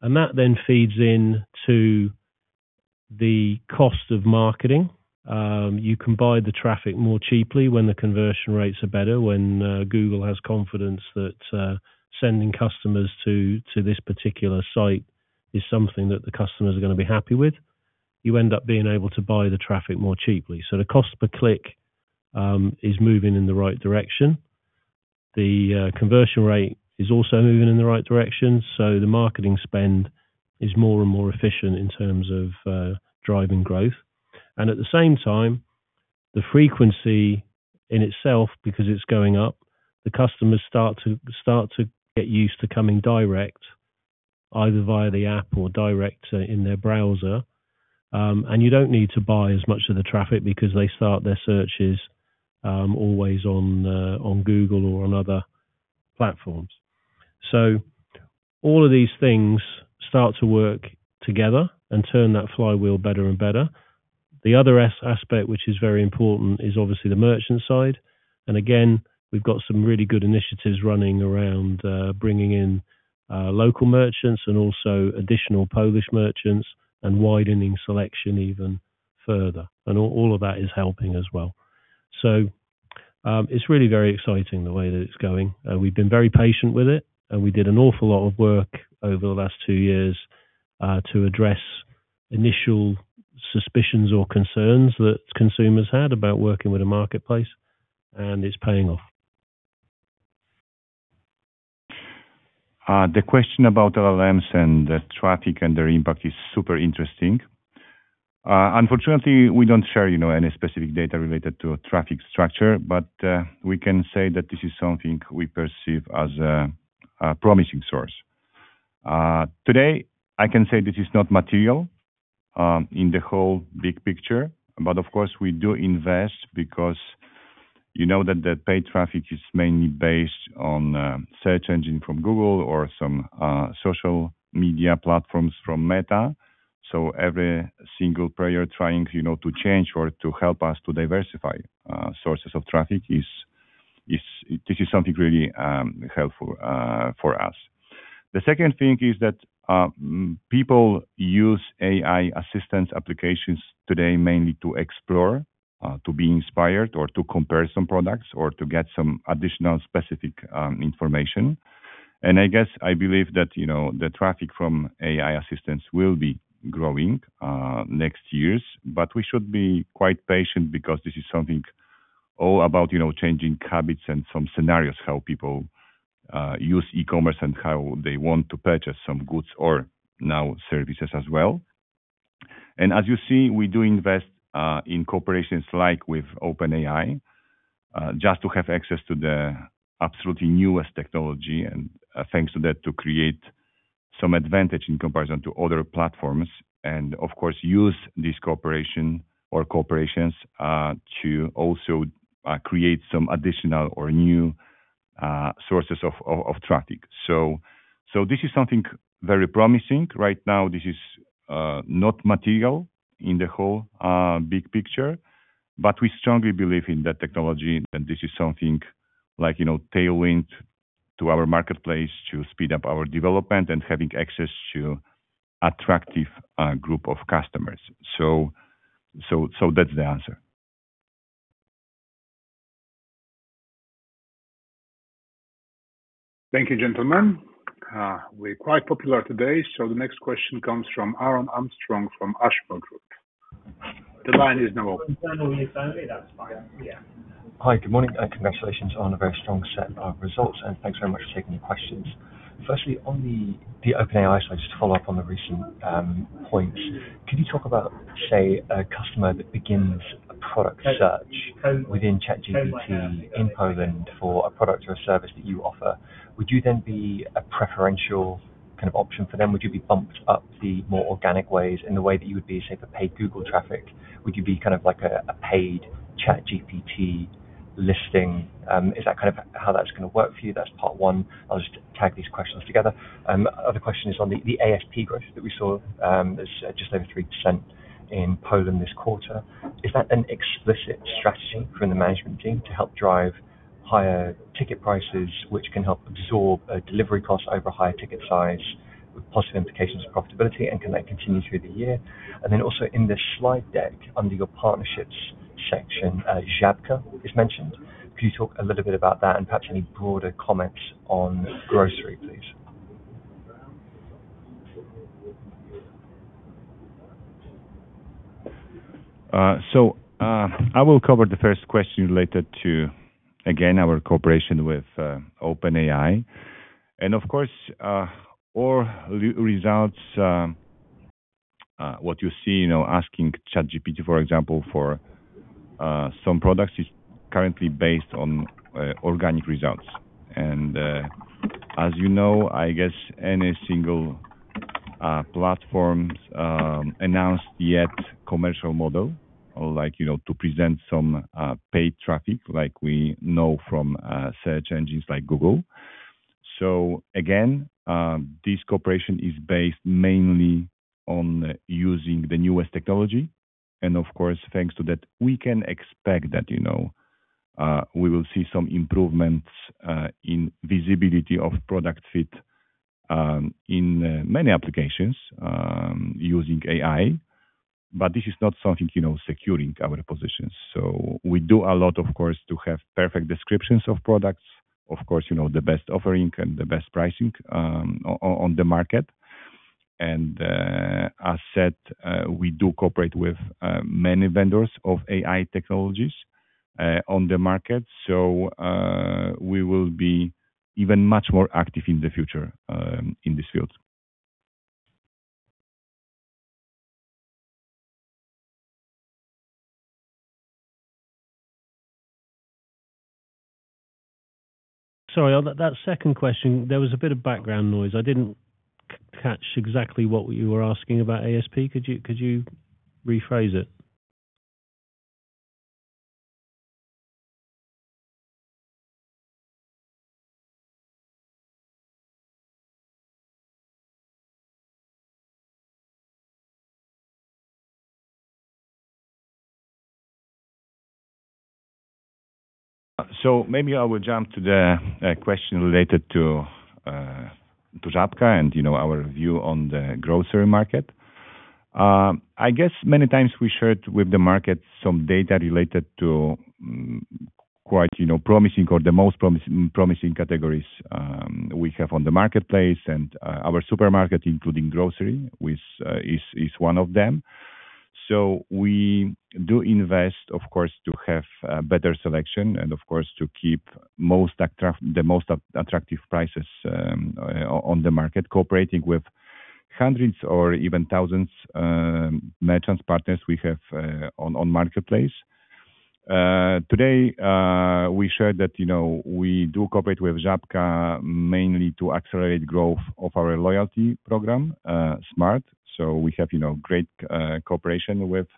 That then feeds into the cost of marketing. You can buy the traffic more cheaply when the conversion rates are better. When Google has confidence that sending customers to this particular site is something that the customers are gonna be happy with, you end up being able to buy the traffic more cheaply. The cost per click is moving in the right direction. The conversion rate is also moving in the right direction, the marketing spend is more and more efficient in terms of driving growth. At the same time, the frequency in itself, because it's going up, the customers start to get used to coming direct either via the app or direct in their browser. You don't need to buy as much of the traffic because they start their searches always on Google or on other platforms. All of these things start to work together and turn that flywheel better and better. The other aspect, which is very important, is obviously the merchant side. Again, we've got some really good initiatives running around bringing in local merchants and also additional Polish merchants and widening selection even further. All of that is helping as well. It's really very exciting the way that it's going. We've been very patient with it, and we did an awful lot of work over the last two years to address initial suspicions or concerns that consumers had about working with a marketplace, and it's paying off. The question about LLMs and the traffic and their impact is super interesting. Unfortunately, we don't share, you know, any specific data related to traffic structure, we can say that this is something we perceive as a promising source. Today, I can say this is not material in the whole big picture, of course, we do invest because you know that the paid traffic is mainly based on search engine from Google or some social media platforms from Meta. Every single player trying, you know, to change or to help us to diversify sources of traffic is This is something really helpful for us. The second thing is that people use AI assistance applications today mainly to explore, to be inspired or to compare some products or to get some additional specific information. I guess I believe that, you know, the traffic from AI assistance will be growing next years. We should be quite patient because this is something all about, you know, changing habits and some scenarios, how people use e-commerce and how they want to purchase some goods or now services as well. As you see, we do invest in corporations like with OpenAI, just to have access to the absolutely newest technology and, thanks to that, to create some advantage in comparison to other platforms and of course, use this cooperation or corporations to also create some additional or new sources of traffic. This is something very promising. Right now, this is not material in the whole big picture, but we strongly believe in the technology and this is something like, you know, tailwind to our marketplace to speed up our development and having access to attractive group of customers. That's the answer. Thank you, gentlemen. We're quite popular today, so the next question comes from Aaron Armstrong from Ashmore Group. The line is now open. Hi. Good morning, congratulations on a very strong set of results, thanks very much for taking the questions. Firstly, on the OpenAI, just to follow up on the recent points. Could you talk about, say, a customer that begins a product search within ChatGPT in Poland for a product or a service that you offer? Would you then be a preferential kind of option for them? Would you be bumped up the more organic ways in the way that you would be, say, for paid Google traffic? Would you be kind of like a paid ChatGPT listing? Is that kind of how that's gonna work for you? That's part one. I'll just tag these questions together. Other question is on the ASP growth that we saw as just over 3% in Poland this quarter. Is that an explicit strategy from the management team to help drive higher ticket prices, which can help absorb delivery costs over higher ticket size with positive implications for profitability, and can that continue through the year? Also in the slide deck under your partnerships section, Żabka is mentioned. Could you talk a little bit about that and perhaps any broader comments on grocery, please? I will cover the first question related to our cooperation with OpenAI. Of course, all results what you see, you know, asking ChatGPT, for example, for some products is currently based on organic results. As you know, I guess any single platforms announced yet commercial model or like, you know, to present some paid traffic like we know from search engines like Google. This cooperation is based mainly on using the newest technology and of course, thanks to that, we can expect that, you know, we will see some improvements in visibility of product fit in many applications using AI. This is not something, you know, securing our positions. We do a lot, of course, to have perfect descriptions of products. Of course, you know, the best offering and the best pricing on the market. As said, we do cooperate with many vendors of AI technologies on the market. We will be even much more active in the future in this field. Sorry, on that second question, there was a bit of background noise. I didn't catch exactly what you were asking about ASP. Could you rephrase it? Maybe I will jump to the question related to Żabka and, you know, our view on the grocery market. I guess many times we shared with the market some data related to, you know, promising or the most promising categories we have on the marketplace and our supermarket, including grocery, which is one of them. We do invest, of course, to have better selection and of course to keep most attractive prices on the market, cooperating with hundreds or even thousands merchants partners we have on marketplace. Today, we shared that, you know, we do cooperate with Żabka mainly to accelerate growth of our loyalty program, Smart!. We have, you know, great cooperation with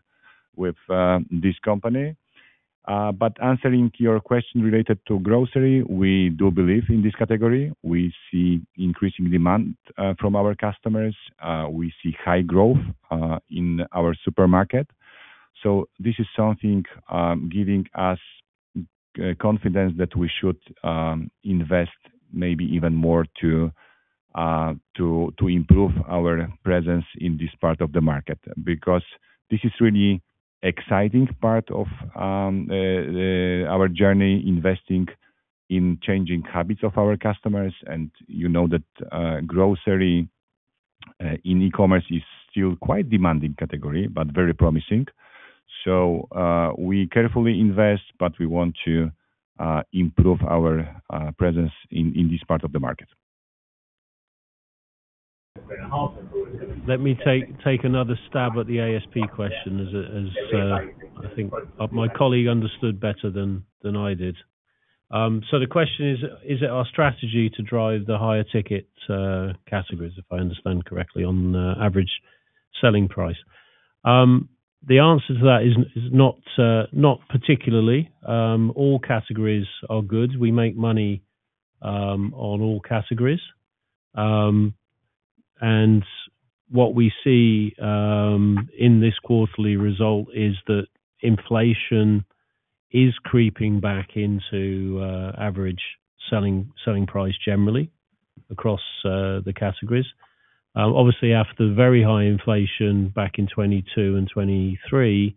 this company. Answering to your question related to grocery, we do believe in this category. We see increasing demand from our customers. We see high growth in our supermarket. This is something giving us confidence that we should invest maybe even more to improve our presence in this part of the market, because this is really exciting part of our journey, investing in changing habits of our customers. You know that grocery in e-commerce is still quite demanding category, but very promising. We carefully invest, but we want to improve our presence in this part of the market. Let me take another stab at the ASP question as I think my colleague understood better than I did. The question is it our strategy to drive the higher ticket categories, if I understand correctly, on average selling price? The answer to that is not particularly. All categories are good. We make money on all categories. What we see in this quarterly result is that inflation is creeping back into average selling price generally across the categories. Obviously, after very high inflation back in 2022 and 2023,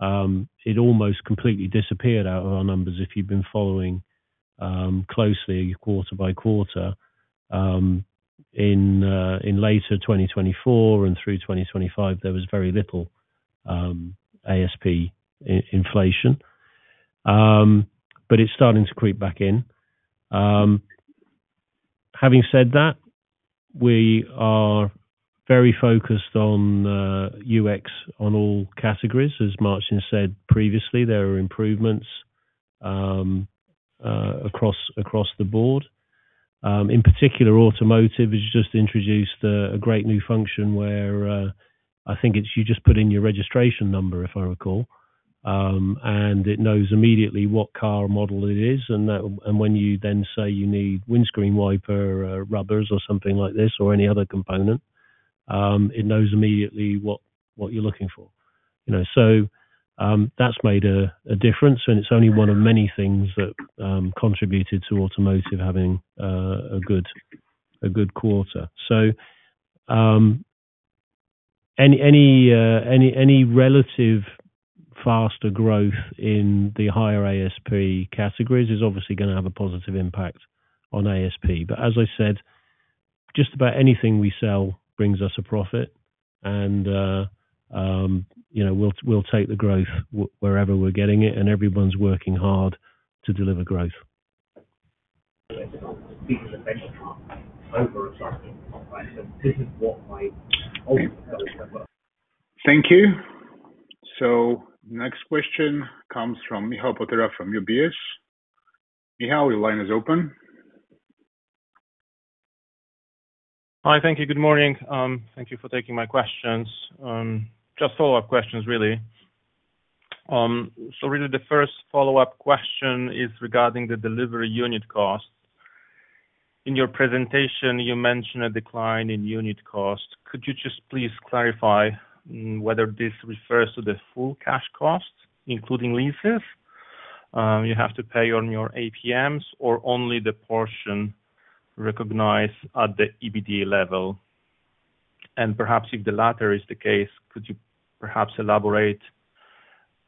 it almost completely disappeared out of our numbers, if you've been following closely quarter-by-quarter. In later 2024 and through 2025, there was very little ASP in-inflation. It's starting to creep back in. Having said that, we are very focused on UX on all categories. As Marcin said previously, there are improvements across the board. In particular, automotive has just introduced a great new function where I think it's you just put in your registration number, if I recall, and it knows immediately what car model it is and when you then say you need windscreen wiper rubbers or something like this or any other component, it knows immediately what you're looking for, you know. That's made a difference, and it's only one of many things that contributed to automotive having a good quarter. Any relative faster growth in the higher ASP categories is obviously gonna have a positive impact on ASP. As I said, just about anything we sell brings us a profit and, you know, we'll take the growth wherever we're getting it, and everyone's working hard to deliver growth. Thank you. Next question comes from Michal Potyra from UBS. Michal, your line is open. Hi. Thank you. Good morning. Thank you for taking my questions. Just follow-up questions, really. Really the first follow-up question is regarding the delivery unit cost. In your presentation, you mentioned a decline in unit cost. Could you just please clarify whether this refers to the full cash cost, including leases, you have to pay on your APMs or only the portion recognized at the EBITDA level? And perhaps if the latter is the case, could you perhaps elaborate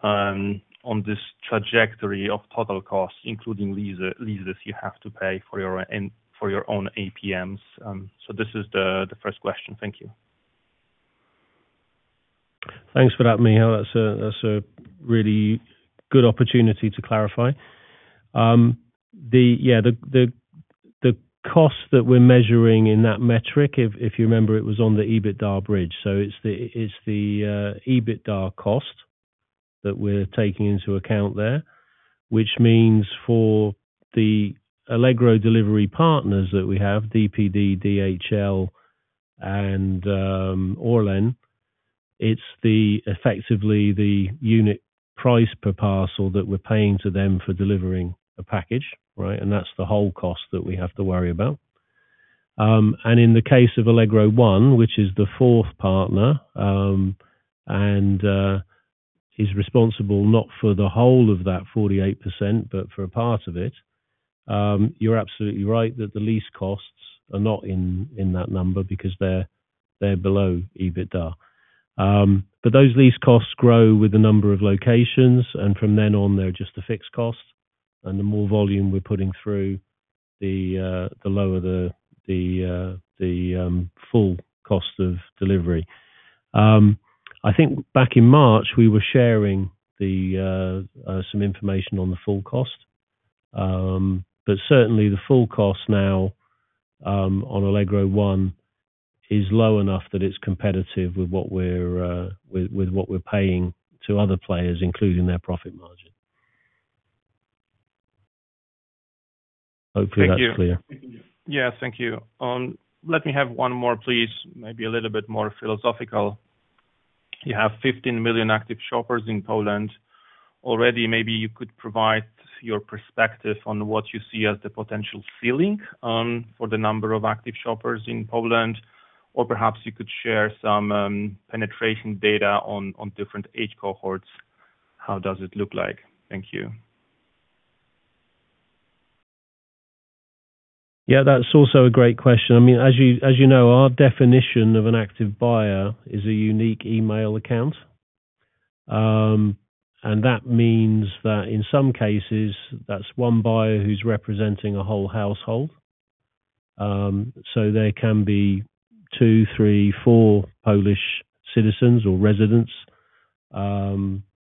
on this trajectory of total costs, including leases you have to pay for your, and for your own APMs? This is the first question. Thank you. Thanks for that, Michal. That's a really good opportunity to clarify. The cost that we're measuring in that metric, if you remember, it was on the EBITDA bridge. It's the EBITDA cost that we're taking into account there, which means for the Allegro Delivery partners that we have, DPD, DHL, and ORLEN, it's effectively the unit price per parcel that we're paying to them for delivering a package, right? That's the whole cost that we have to worry about. In the case of Allegro One, which is the fourth partner, is responsible not for the whole of that 48%, but for a part of it, you're absolutely right that the lease costs are not in that number because they're below EBITDA. Those lease costs grow with the number of locations, and from then on, they're just a fixed cost. The more volume we're putting through, the lower the full cost of delivery. I think back in March, we were sharing some information on the full cost. Certainly the full cost now on Allegro One is low enough that it's competitive with what we're paying to other players, including their profit margin. Hopefully, that's clear. Thank you. Yeah, thank you. Let me have one more, please. Maybe a little bit more philosophical. You have 15 million active shoppers in Poland already. Maybe you could provide your perspective on what you see as the potential ceiling for the number of active shoppers in Poland. Or perhaps you could share some penetration data on different age cohorts. How does it look like? Thank you. Yeah, that's also a great question. I mean, as you know, our definition of an active buyer is a unique email account. That means that in some cases, that's one buyer who's representing a whole household. There can be two, three, four Polish citizens or residents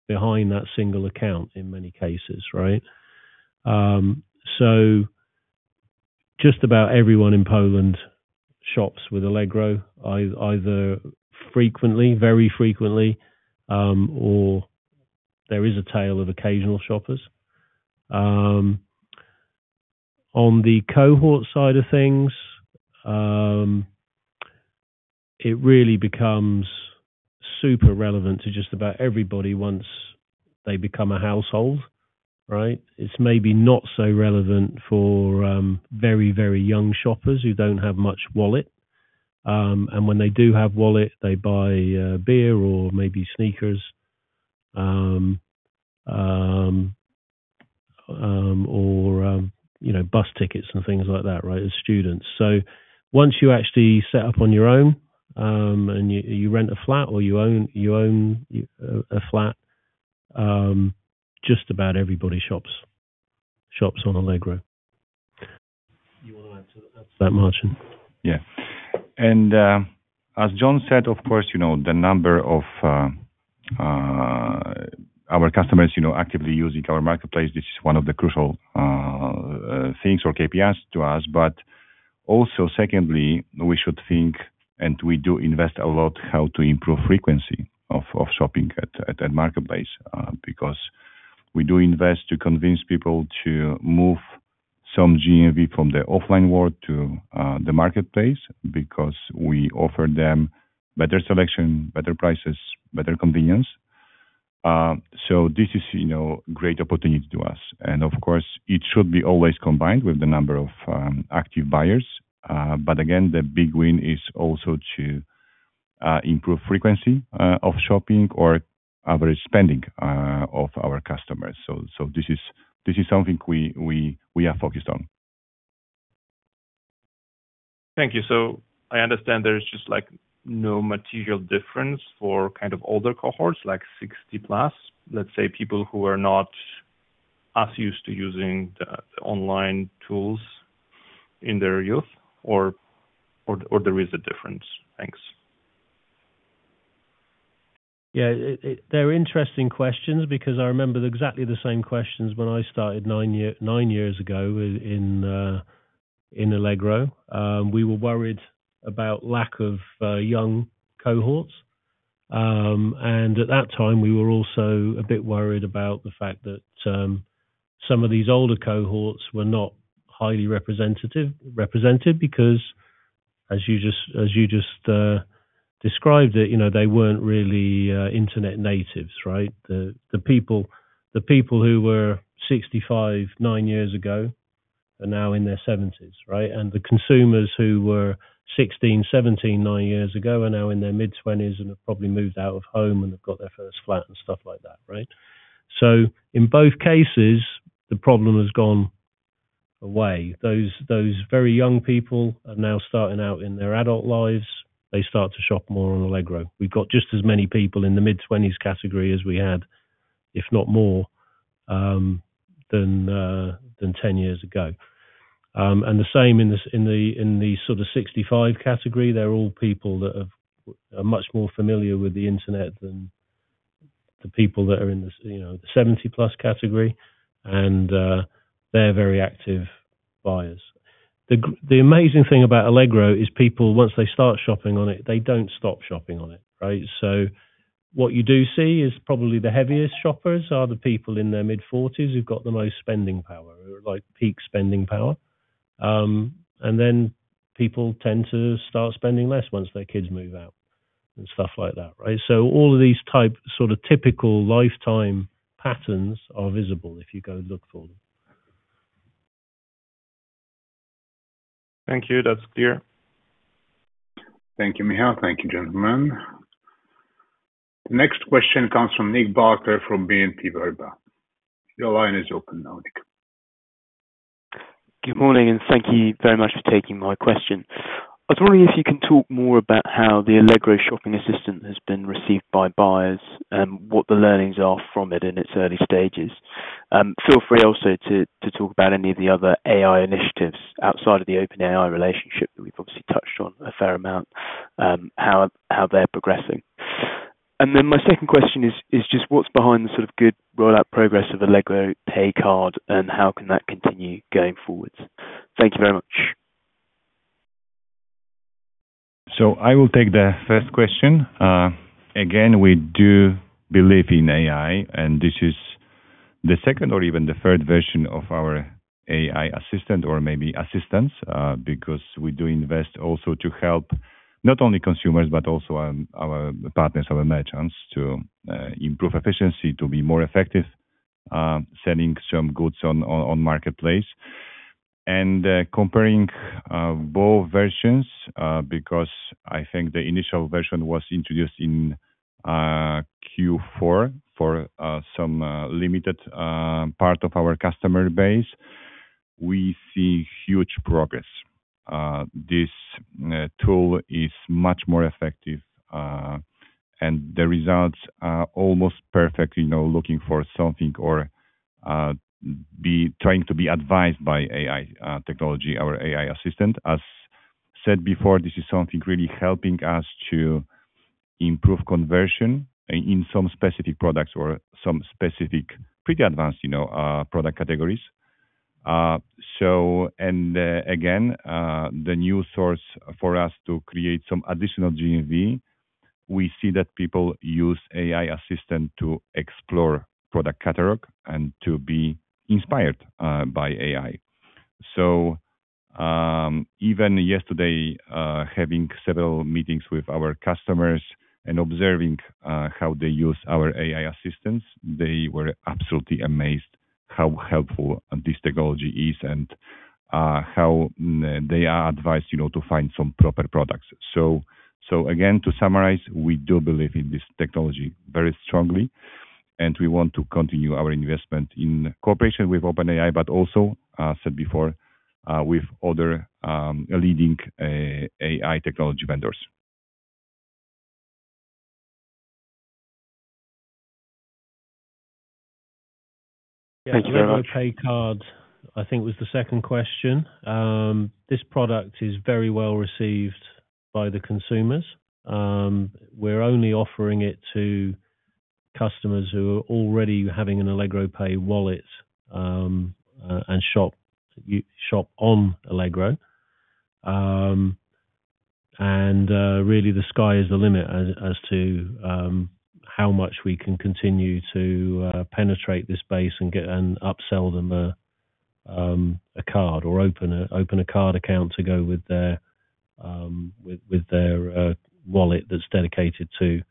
behind that single account in many cases, right? Just about everyone in Poland shops with Allegro either frequently, very frequently, or there is a tale of occasional shoppers. On the cohort side of things, it really becomes super relevant to just about everybody once they become a household, right? It's maybe not so relevant for very, very young shoppers who don't have much wallet. When they do have wallet, they buy beer or maybe sneakers or, you know, bus tickets and things like that, right, as students. Once you actually set up on your own, and you rent a flat or you own a flat, just about everybody shops on Allegro. You wanna add to that, Marcin? Yeah. As Jon said, of course, you know, the number of our customers, you know, actively using our marketplace, this is one of the crucial things or KPIs to us. Also secondly, we should think, and we do invest a lot, how to improve frequency of shopping at that marketplace. Because we do invest to convince people to move some GMV from the offline world to the marketplace because we offer them better selection, better prices, better convenience. This is, you know, great opportunity to us. Of course, it should be always combined with the number of active buyers. Again, the big win is also to improve frequency of shopping or average spending of our customers. This is something we are focused on. Thank you. I understand there's just like no material difference for kind of older cohorts, like 60+. Let's say people who are not as used to using the online tools in their youth or there is a difference. Thanks. Yeah. They're interesting questions because I remember exactly the same questions when I started nine years ago in Allegro. We were worried about lack of young cohorts. At that time, we were also a bit worried about the fact that some of these older cohorts were not highly represented because as you just, as you just described it, you know, they weren't really internet natives, right? The people who were 65 nine years ago are now in their 70s, right? The consumers who were 16, 17 nine years ago are now in their mid-20s and have probably moved out of home and have got their first flat and stuff like that, right? In both cases, the problem has gone away. Those very young people are now starting out in their adult lives. They start to shop more on Allegro. We've got just as many people in the mid-20s category as we had, if not more, than 10 years ago. The same in the 65 category. They're all people that are much more familiar with the internet than the people that are in the you know, the 70+ category, and they're very active buyers. The amazing thing about Allegro is people, once they start shopping on it, they don't stop shopping on it, right? What you do see is probably the heaviest shoppers are the people in their mid-40s who've got the most spending power or like peak spending power. People tend to start spending less once their kids move out and stuff like that, right? All of these type sort of typical lifetime patterns are visible if you go look for them. Thank you. That's clear. Thank you, Michal. Thank you, gentlemen. The next question comes from Nick Barker from BNP Paribas. Your line is open now, Nick. Good morning, and thank you very much for taking my question. I was wondering if you can talk more about how the Allegro shopping assistant has been received by buyers and what the learnings are from it in its early stages. Feel free also to talk about any of the other AI initiatives outside of the OpenAI relationship that we've obviously touched on a fair amount, how they're progressing. My second question is just what's behind the sort of good rollout progress of Allegro Pay card, and how can that continue going forward? Thank you very much. I will take the first question. Again, we do believe in AI. This is the second or even the third version of our AI assistant or maybe assistants, because we do invest also to help not only consumers, but also our partners, our merchants to improve efficiency, to be more effective selling some goods on marketplace. Comparing both versions, because I think the initial version was introduced in Q4 for some limited part of our customer base. We see huge progress. This tool is much more effective, and the results are almost perfect, you know, looking for something or trying to be advised by AI technology, our AI assistant. As said before, this is something really helping us to improve conversion in some specific products or some specific pretty advanced, you know, product categories. And again, the new source for us to create some additional GMV, we see that people use AI assistant to explore product catalog and to be inspired by AI. Even yesterday, having several meetings with our customers and observing how they use our AI assistants, they were absolutely amazed how helpful this technology is and how they are advised, you know, to find some proper products. Again, to summarize, we do believe in this technology very strongly, and we want to continue our investment in cooperation with OpenAI, but also, as said before, with other leading AI technology vendors. The Allegro Pay card, I think was the second question. This product is very well received by the consumers. We're only offering it to customers who are already having an Allegro Pay wallet and shop, you shop on Allegro. Really the sky is the limit as to how much we can continue to penetrate this base and upsell them a card or open a card account to go with their wallet that's dedicated to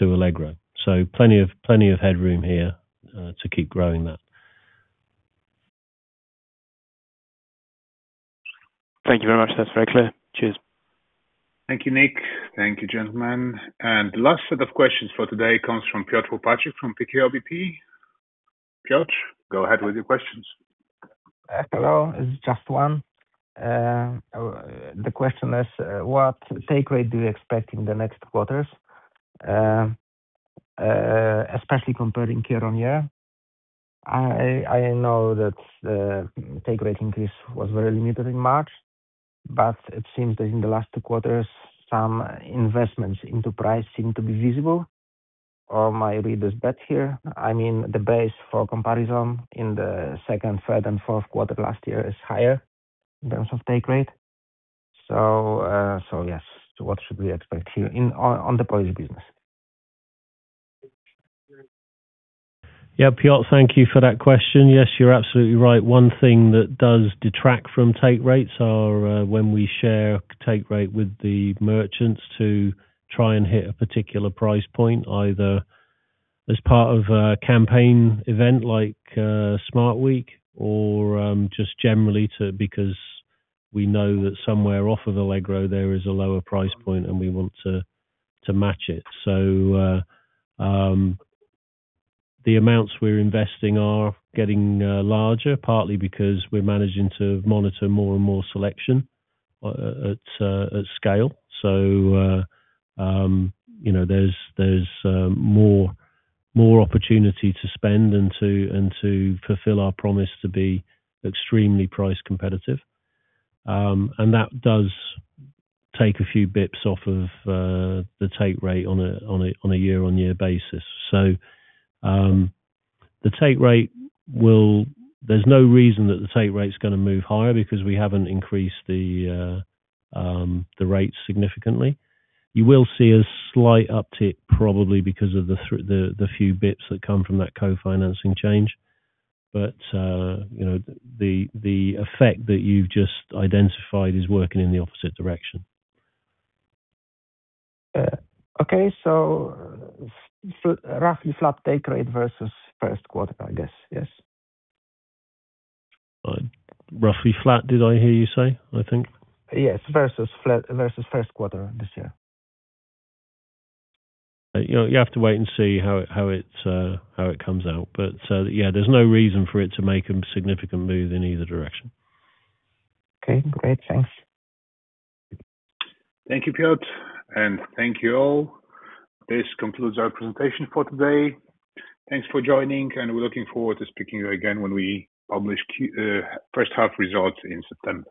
Allegro. Plenty of headroom here to keep growing that. Thank you very much. That's very clear. Cheers. Thank you, Nick. Thank you, gentlemen. The last set of questions for today comes from Piotr Walczak from PKO BP. Piotr, go ahead with your questions. Hello. It's just one. The question is, what take rate do you expect in the next quarters, especially comparing year-on-year? I know that the take rate increase was very limited in March, but it seems that in the last two quarters, some investments into price seem to be visible. Am I read this back here? I mean the base for comparison in the second, third, and fourth quarter last year is higher in terms of take rate. Yes. What should we expect here in, on the Polish business? Piotr, thank you for that question. You're absolutely right. One thing that does detract from take rates are when we share take rate with the merchants to try and hit a particular price point, either as part of a campaign event like Smart! Week or just generally because we know that somewhere off of Allegro there is a lower price point and we want to match it. The amounts we're investing are getting larger, partly because we're managing to monitor more and more selection at scale. You know, there's more opportunity to spend and to fulfill our promise to be extremely price competitive. That does take a few bips off of the take rate on a year-over-year basis. The take rate there's no reason that the take rate's gonna move higher because we haven't increased the rates significantly. You will see a slight uptick probably because of the few basis points that come from that co-financing change. You know, the effect that you've just identified is working in the opposite direction. Okay. Roughly flat take rate versus first quarter, I guess. Yes. Roughly flat, did I hear you say? I think. Yes. Versus first quarter this year. You know, you have to wait and see how it comes out. Yeah, there's no reason for it to make a significant move in either direction. Okay, great. Thanks. Thank you, Piotr, and thank you all. This concludes our presentation for today. Thanks for joining. We're looking forward to speaking again when we publish first half results in September.